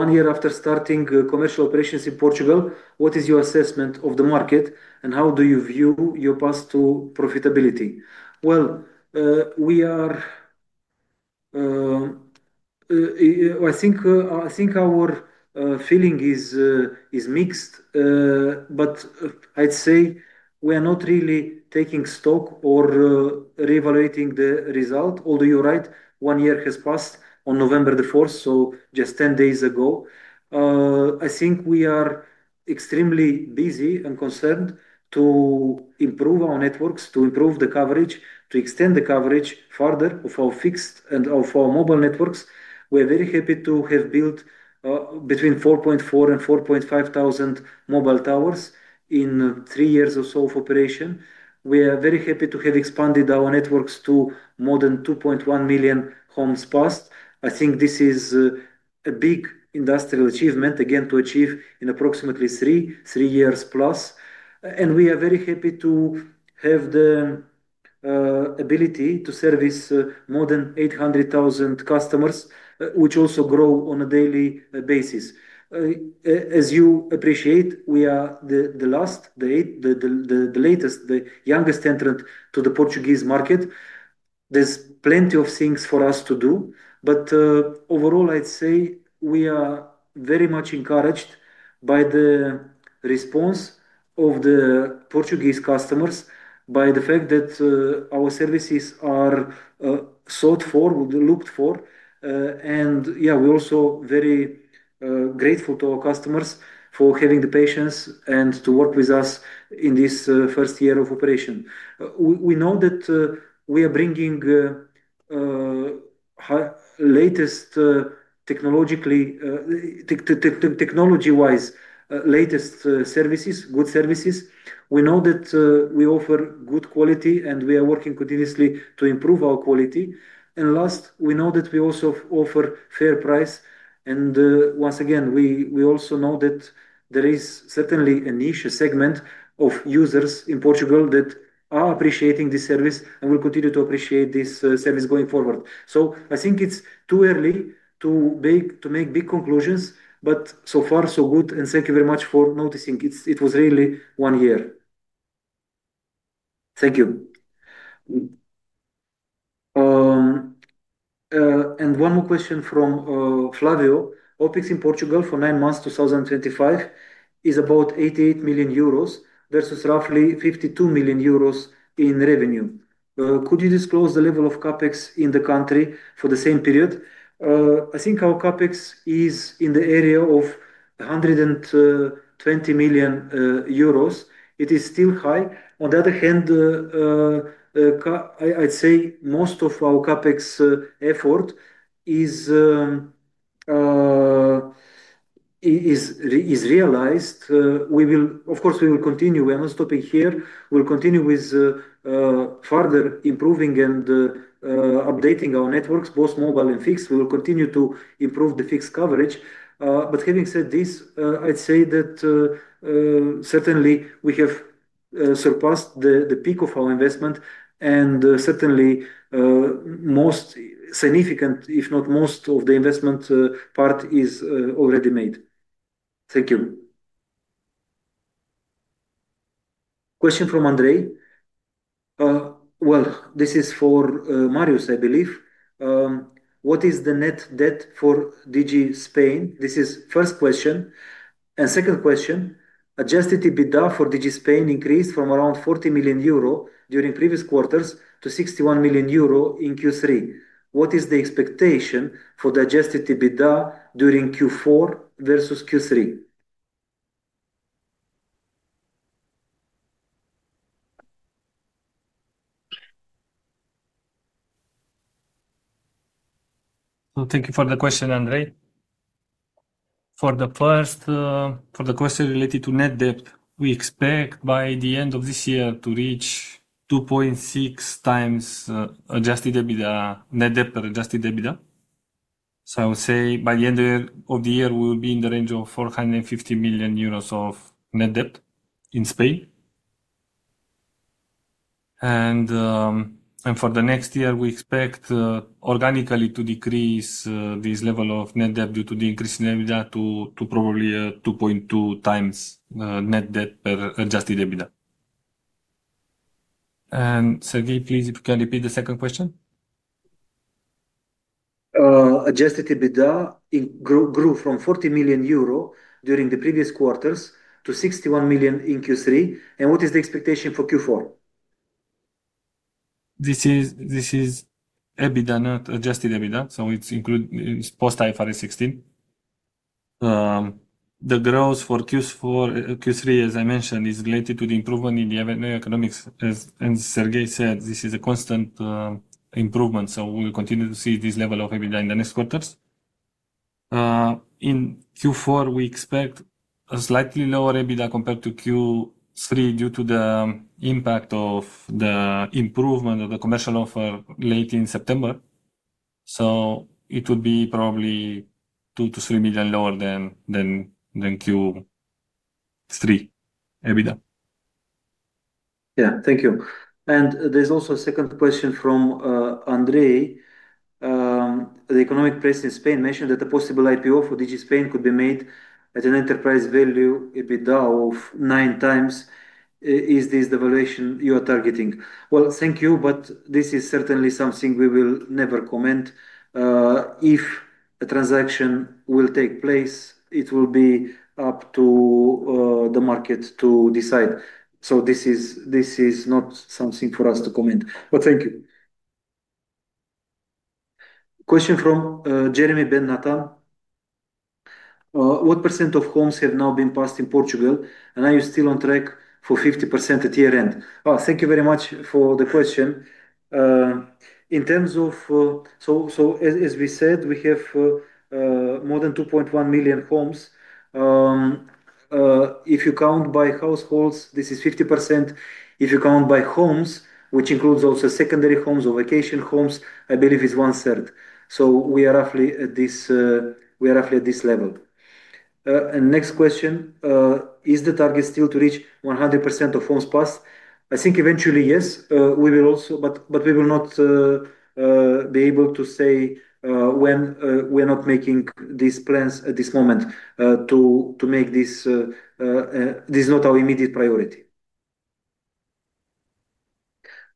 One year after starting commercial operations in Portugal, what is your assessment of the market and how do you view your path to profitability? I think our feeling is mixed, but I'd say we are not really taking stock or reevaluating the result. Although you're right, one year has passed on November the 4th, just 10 days ago. I think we are extremely busy and concerned to improve our networks, to improve the coverage, to extend the coverage further of our fixed and of our mobile networks. We are very happy to have built between 4,400-4,500 mobile towers in three years or so of operation. We are very happy to have expanded our networks to more than 2.1 million homes passed. I think this is a big industrial achievement, again, to achieve in approximately three years plus. We are very happy to have the ability to service more than 800,000 customers, which also grow on a daily basis. As you appreciate, we are the last, the latest, the youngest entrant to the Portuguese market. There is plenty of things for us to do. Overall, I'd say we are very much encouraged by the response of the Portuguese customers, by the fact that our services are sought for, looked for. Yeah, we are also very grateful to our customers for having the patience and to work with us in this first year of operation. We know that we are bringing latest technology-wise, latest services, good services. We know that we offer good quality, and we are working continuously to improve our quality. Last, we know that we also offer fair price. Once again, we also know that there is certainly a niche, a segment of users in Portugal that are appreciating this service and will continue to appreciate this service going forward. I think it's too early to make big conclusions, but so far, so good. Thank you very much for noticing. It was really one year. Thank you. One more question from Flavio. OpEx in Portugal for nine months 2025 is about 88 million euros versus roughly 52 million euros in revenue. Could you disclose the level of CapEx in the country for the same period? I think our CapEx is in the area of 120 million euros. It is still high. On the other hand, I'd say most of our CapEx effort is realized. Of course, we will continue. We are not stopping here. We'll continue with further improving and updating our networks, both mobile and fixed. We will continue to improve the fixed coverage. Having said this, I'd say that certainly we have surpassed the peak of our investment, and certainly most significant, if not most, of the investment part is already made. Thank you. Question from Andrei. This is for Marius, I believe. What is the net debt for DigiSpain? This is the first question. Second question, adjusted EBITDA for DigiSpain increased from around 40 million euro during previous quarters to 61 million euro in Q3. What is the expectation for the adjusted EBITDA during Q4 versus Q3? Thank you for the question, Andrei. For the question related to net debt, we expect by the end of this year to reach 2.6 times adjusted EBITDA, net debt adjusted EBITDA. I would say by the end of the year, we will be in the range of 450 million euros of net debt in Spain. For the next year, we expect organically to decrease this level of net debt due to the increase in EBITDA to probably 2.2 times net debt adjusted EBITDA. Sergey, please, if you can repeat the second question. Adjusted EBITDA grew from 40 million euro during the previous quarters to 61 million in Q3. What is the expectation for Q4? This is EBITDA, not adjusted EBITDA. It is post IFRS 16. The growth for Q3, as I mentioned, is related to the improvement in the economics. As Sergey said, this is a constant improvement. We will continue to see this level of EBITDA in the next quarters. In Q4, we expect a slightly lower EBITDA compared to Q3 due to the impact of the improvement of the commercial offer late in September. It would be probably 2-3 million lower than Q3 EBITDA. Yeah, thank you. There is also a second question from Andrei. The economic press in Spain mentioned that a possible IPO for DigiSpain could be made at an enterprise value EBITDA of nine times. Is this the valuation you are targeting? Thank you, but this is certainly something we will never comment. If a transaction will take place, it will be up to the market to decide. This is not something for us to comment. Thank you. Question from Jeremy Ben Nathan. What % of homes have now been passed in Portugal? Are you still on track for 50% at year-end? Thank you very much for the question. In terms of, as we said, we have more than 2.1 million homes. If you count by households, this is 50%. If you count by homes, which includes also secondary homes or vacation homes, I believe it's one-third. We are roughly at this level. Next question, is the target still to reach 100% of homes passed? I think eventually, yes. We will also, but we will not be able to say when. We are not making these plans at this moment to make this. This is not our immediate priority.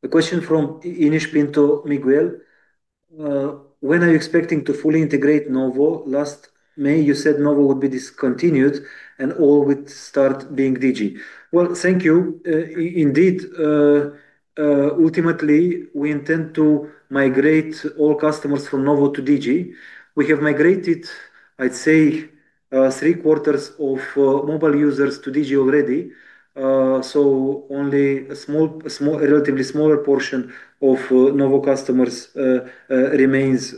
A question from Inish Pinto Miguel. When are you expecting to fully integrate Novo? Last May, you said Novo would be discontinued and all would start being Digi. Thank you. Indeed, ultimately, we intend to migrate all customers from Novo to Digi. We have migrated, I'd say, three quarters of mobile users to Digi already. Only a relatively smaller portion of Novo mobile customers remains.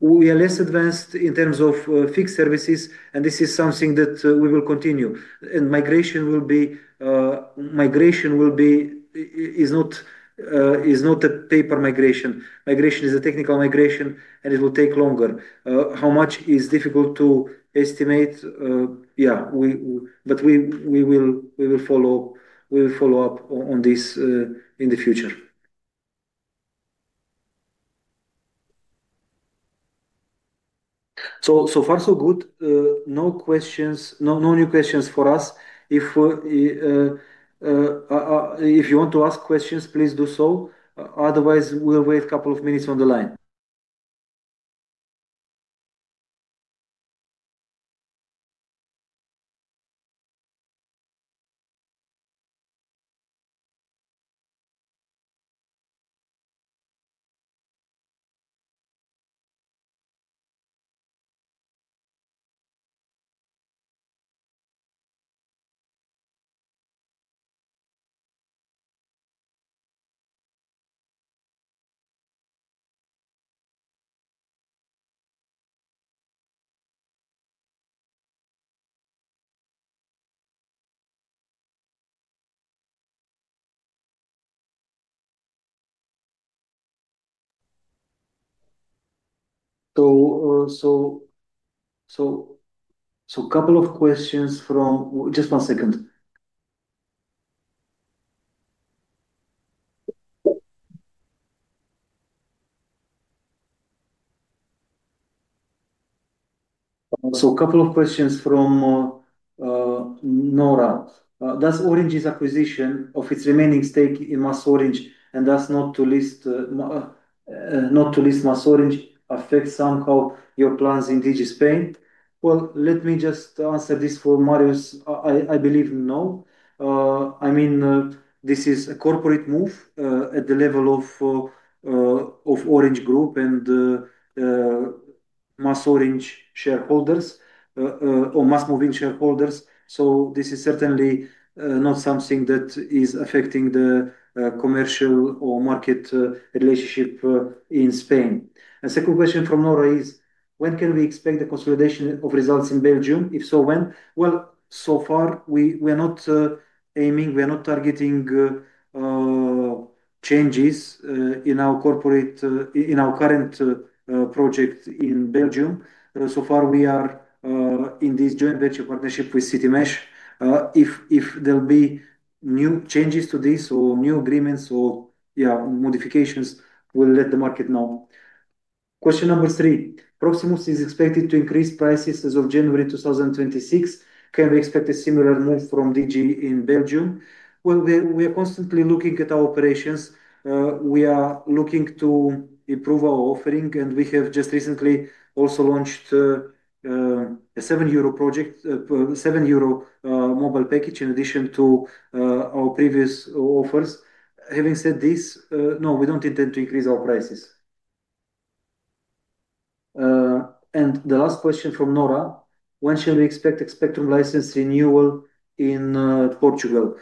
We are less advanced in terms of fixed services, and this is something that we will continue. Migration will be, migration is not a paper migration. Migration is a technical migration, and it will take longer. How much is difficult to estimate? Yeah, but we will follow up. We will follow up on this in the future. So far, so good. No questions, no new questions for us. If you want to ask questions, please do so. Otherwise, we'll wait a couple of minutes on the line. A couple of questions from, just one second, a couple of questions from Nora. Does Orange's acquisition of its remaining stake in MásMóvil, and that's not to list MásMóvil, affect somehow your plans in Digi Spain? Let me just answer this for Marius. I believe no. I mean, this is a corporate move at the level of Orange Group and MásMóvil shareholders. This is certainly not something that is affecting the commercial or market relationship in Spain. A second question from Nora is, when can we expect the consolidation of results in Belgium? If so, when? So far, we are not aiming, we are not targeting changes in our current project in Belgium. So far, we are in this joint venture partnership with CityMesh. If there will be new changes to this or new agreements or, yeah, modifications, we will let the market know. Question number three. Proximus is expected to increase prices as of January 2026. Can we expect a similar move from Digi in Belgium? We are constantly looking at our operations. We are looking to improve our offering, and we have just recently also launched a 7 euro project, 7 euro mobile package in addition to our previous offers. Having said this, no, we do not intend to increase our prices. The last question from Nora. When shall we expect a spectrum license renewal in Portugal?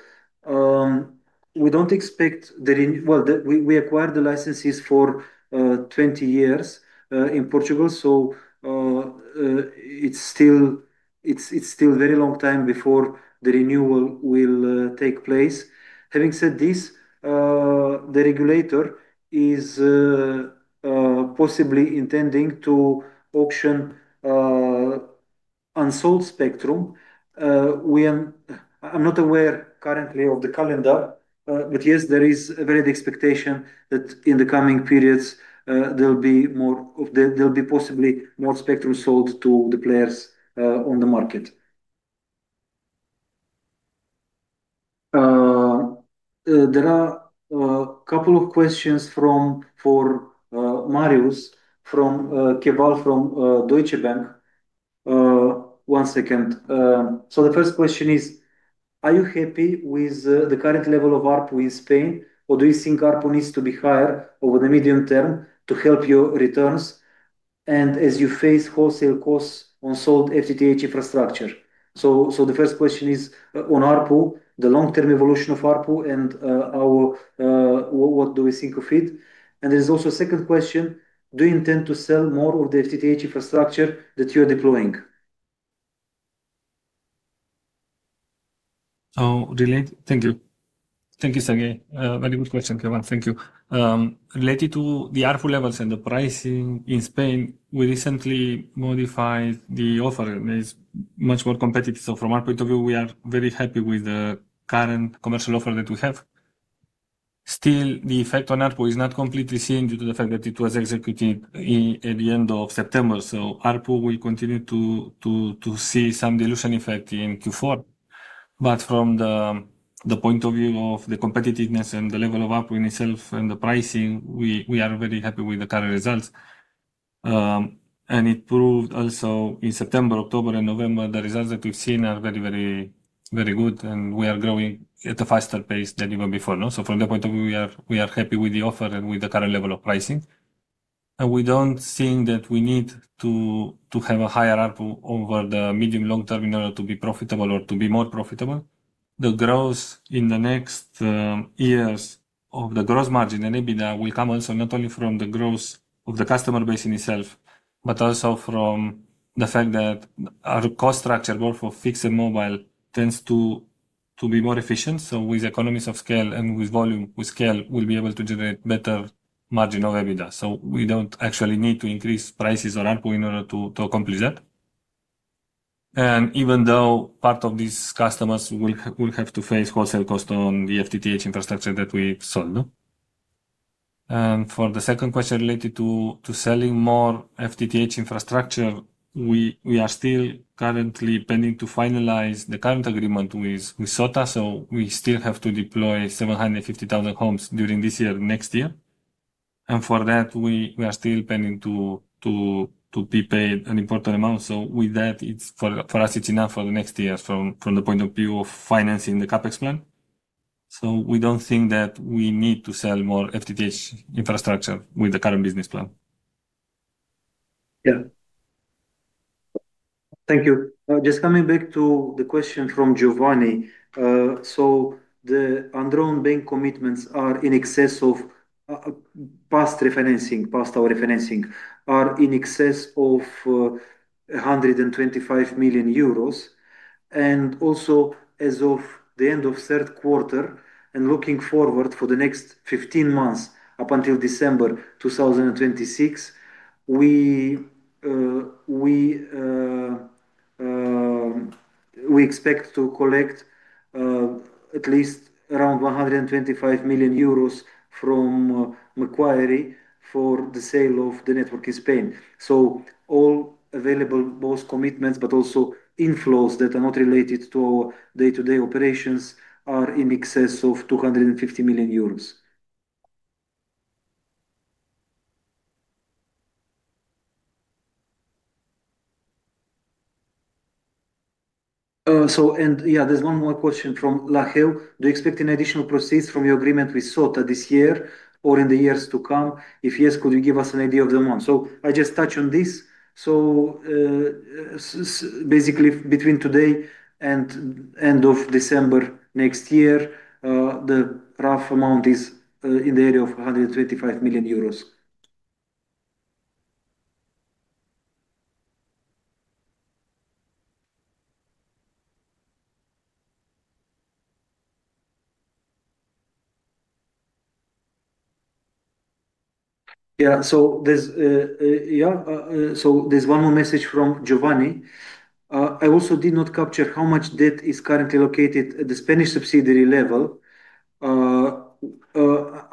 We do not expect the, we acquired the licenses for 20 years in Portugal, so it is still a very long time before the renewal will take place. Having said this, the regulator is possibly intending to auction unsold spectrum. I am not aware currently of the calendar, but yes, there is a very expectation that in the coming periods, there will be possibly more spectrum sold to the players on the market. There are a couple of questions for Marius from Keval from Deutsche Bank. One second. The first question is, are you happy with the current level of ARPU in Spain, or do you think ARPU needs to be higher over the medium term to help your returns? As you face wholesale costs on sold FTTH infrastructure, the first question is on ARPU, the long-term evolution of ARPU and what do we think of it. There is also a second question. Do you intend to sell more of the FTTH infrastructure that you are deploying? Thank you. Thank you, Sergey. Very good question, Keval. Thank you. Related to the ARPU levels and the pricing in Spain, we recently modified the offer. It is much more competitive. From our point of view, we are very happy with the current commercial offer that we have. Still, the effect on ARPU is not completely seen due to the fact that it was executed at the end of September. ARPU will continue to see some dilution effect in Q4. From the point of view of the competitiveness and the level of ARPU in itself and the pricing, we are very happy with the current results. It proved also in September, October, and November, the results that we've seen are very, very, very good, and we are growing at a faster pace than even before. From the point of view, we are happy with the offer and with the current level of pricing. We do not think that we need to have a higher ARPU over the medium-long term in order to be profitable or to be more profitable. The growth in the next years of the gross margin and EBITDA will come also not only from the growth of the customer base in itself, but also from the fact that our cost structure, both for fixed and mobile, tends to be more efficient. With economies of scale and with volume, with scale, we'll be able to generate better margin of EBITDA. We don't actually need to increase prices or ARPU in order to accomplish that. Even though part of these customers will have to face wholesale costs on the FTTH infrastructure that we sold. For the second question related to selling more FTTH infrastructure, we are still currently pending to finalize the current agreement with SOTA. We still have to deploy 750,000 homes during this year, next year. For that, we are still pending to be paid an important amount. With that, for us, it's enough for the next year from the point of view of financing the CapEx plan. We don't think that we need to sell more FTTH infrastructure with the current business plan. Yeah. Thank you. Just coming back to the question from Giovanni. The Andron Bank commitments are in excess of past refinancing, past our refinancing, are in excess of 125 million euros. Also, as of the end of third quarter and looking forward for the next 15 months up until December 2026, we expect to collect at least around 125 million euros from Macquarie for the sale of the network in Spain. All available, both commitments, but also inflows that are not related to our day-to-day operations, are in excess of 250 million euros. Yeah, there's one more question from Laheu. Do you expect additional proceeds from your agreement with SOTA this year or in the years to come? If yes, could you give us an idea of the amount? I just touch on this. Basically, between today and end of December next year, the rough amount is in the area of 125 million euros. Yeah. There is one more message from Giovanni. I also did not capture how much debt is currently located at the Spanish subsidiary level.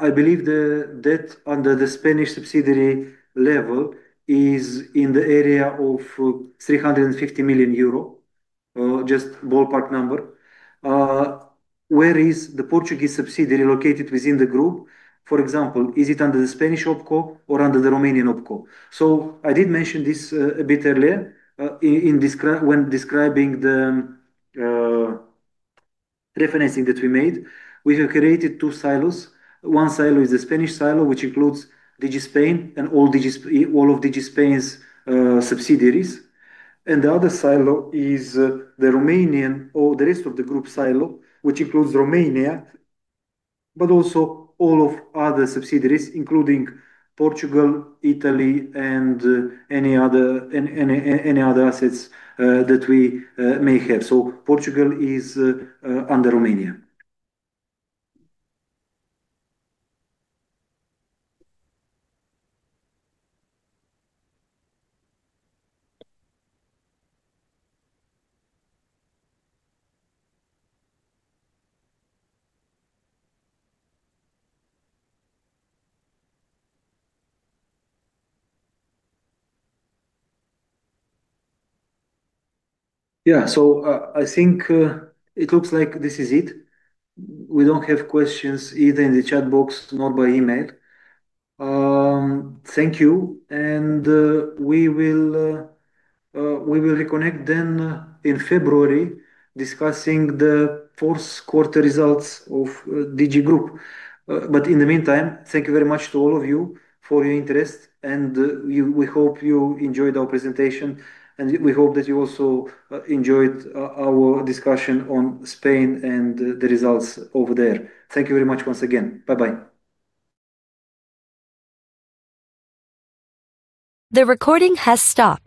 I believe the debt under the Spanish subsidiary level is in the area of 350 million euro, just ballpark number. Where is the Portuguese subsidiary located within the group? For example, is it under the Spanish OPCO or under the Romanian OPCO? I did mention this a bit earlier when describing the refinancing that we made. We have created two silos. One silo is the Spanish silo, which includes DigiSpain and all of DigiSpain's subsidiaries. The other silo is the Romanian or the rest of the group silo, which includes Romania, but also all other subsidiaries, including Portugal, Italy, and any other assets that we may have. Portugal is under Romania. Yeah. I think it looks like this is it. We do not have questions either in the chat box nor by email. Thank you. We will reconnect then in February, discussing the fourth quarter results of DigiGroup. In the meantime, thank you very much to all of you for your interest. We hope you enjoyed our presentation. We hope that you also enjoyed our discussion on Spain and the results over there. Thank you very much once again. Bye-bye. The recording has stopped.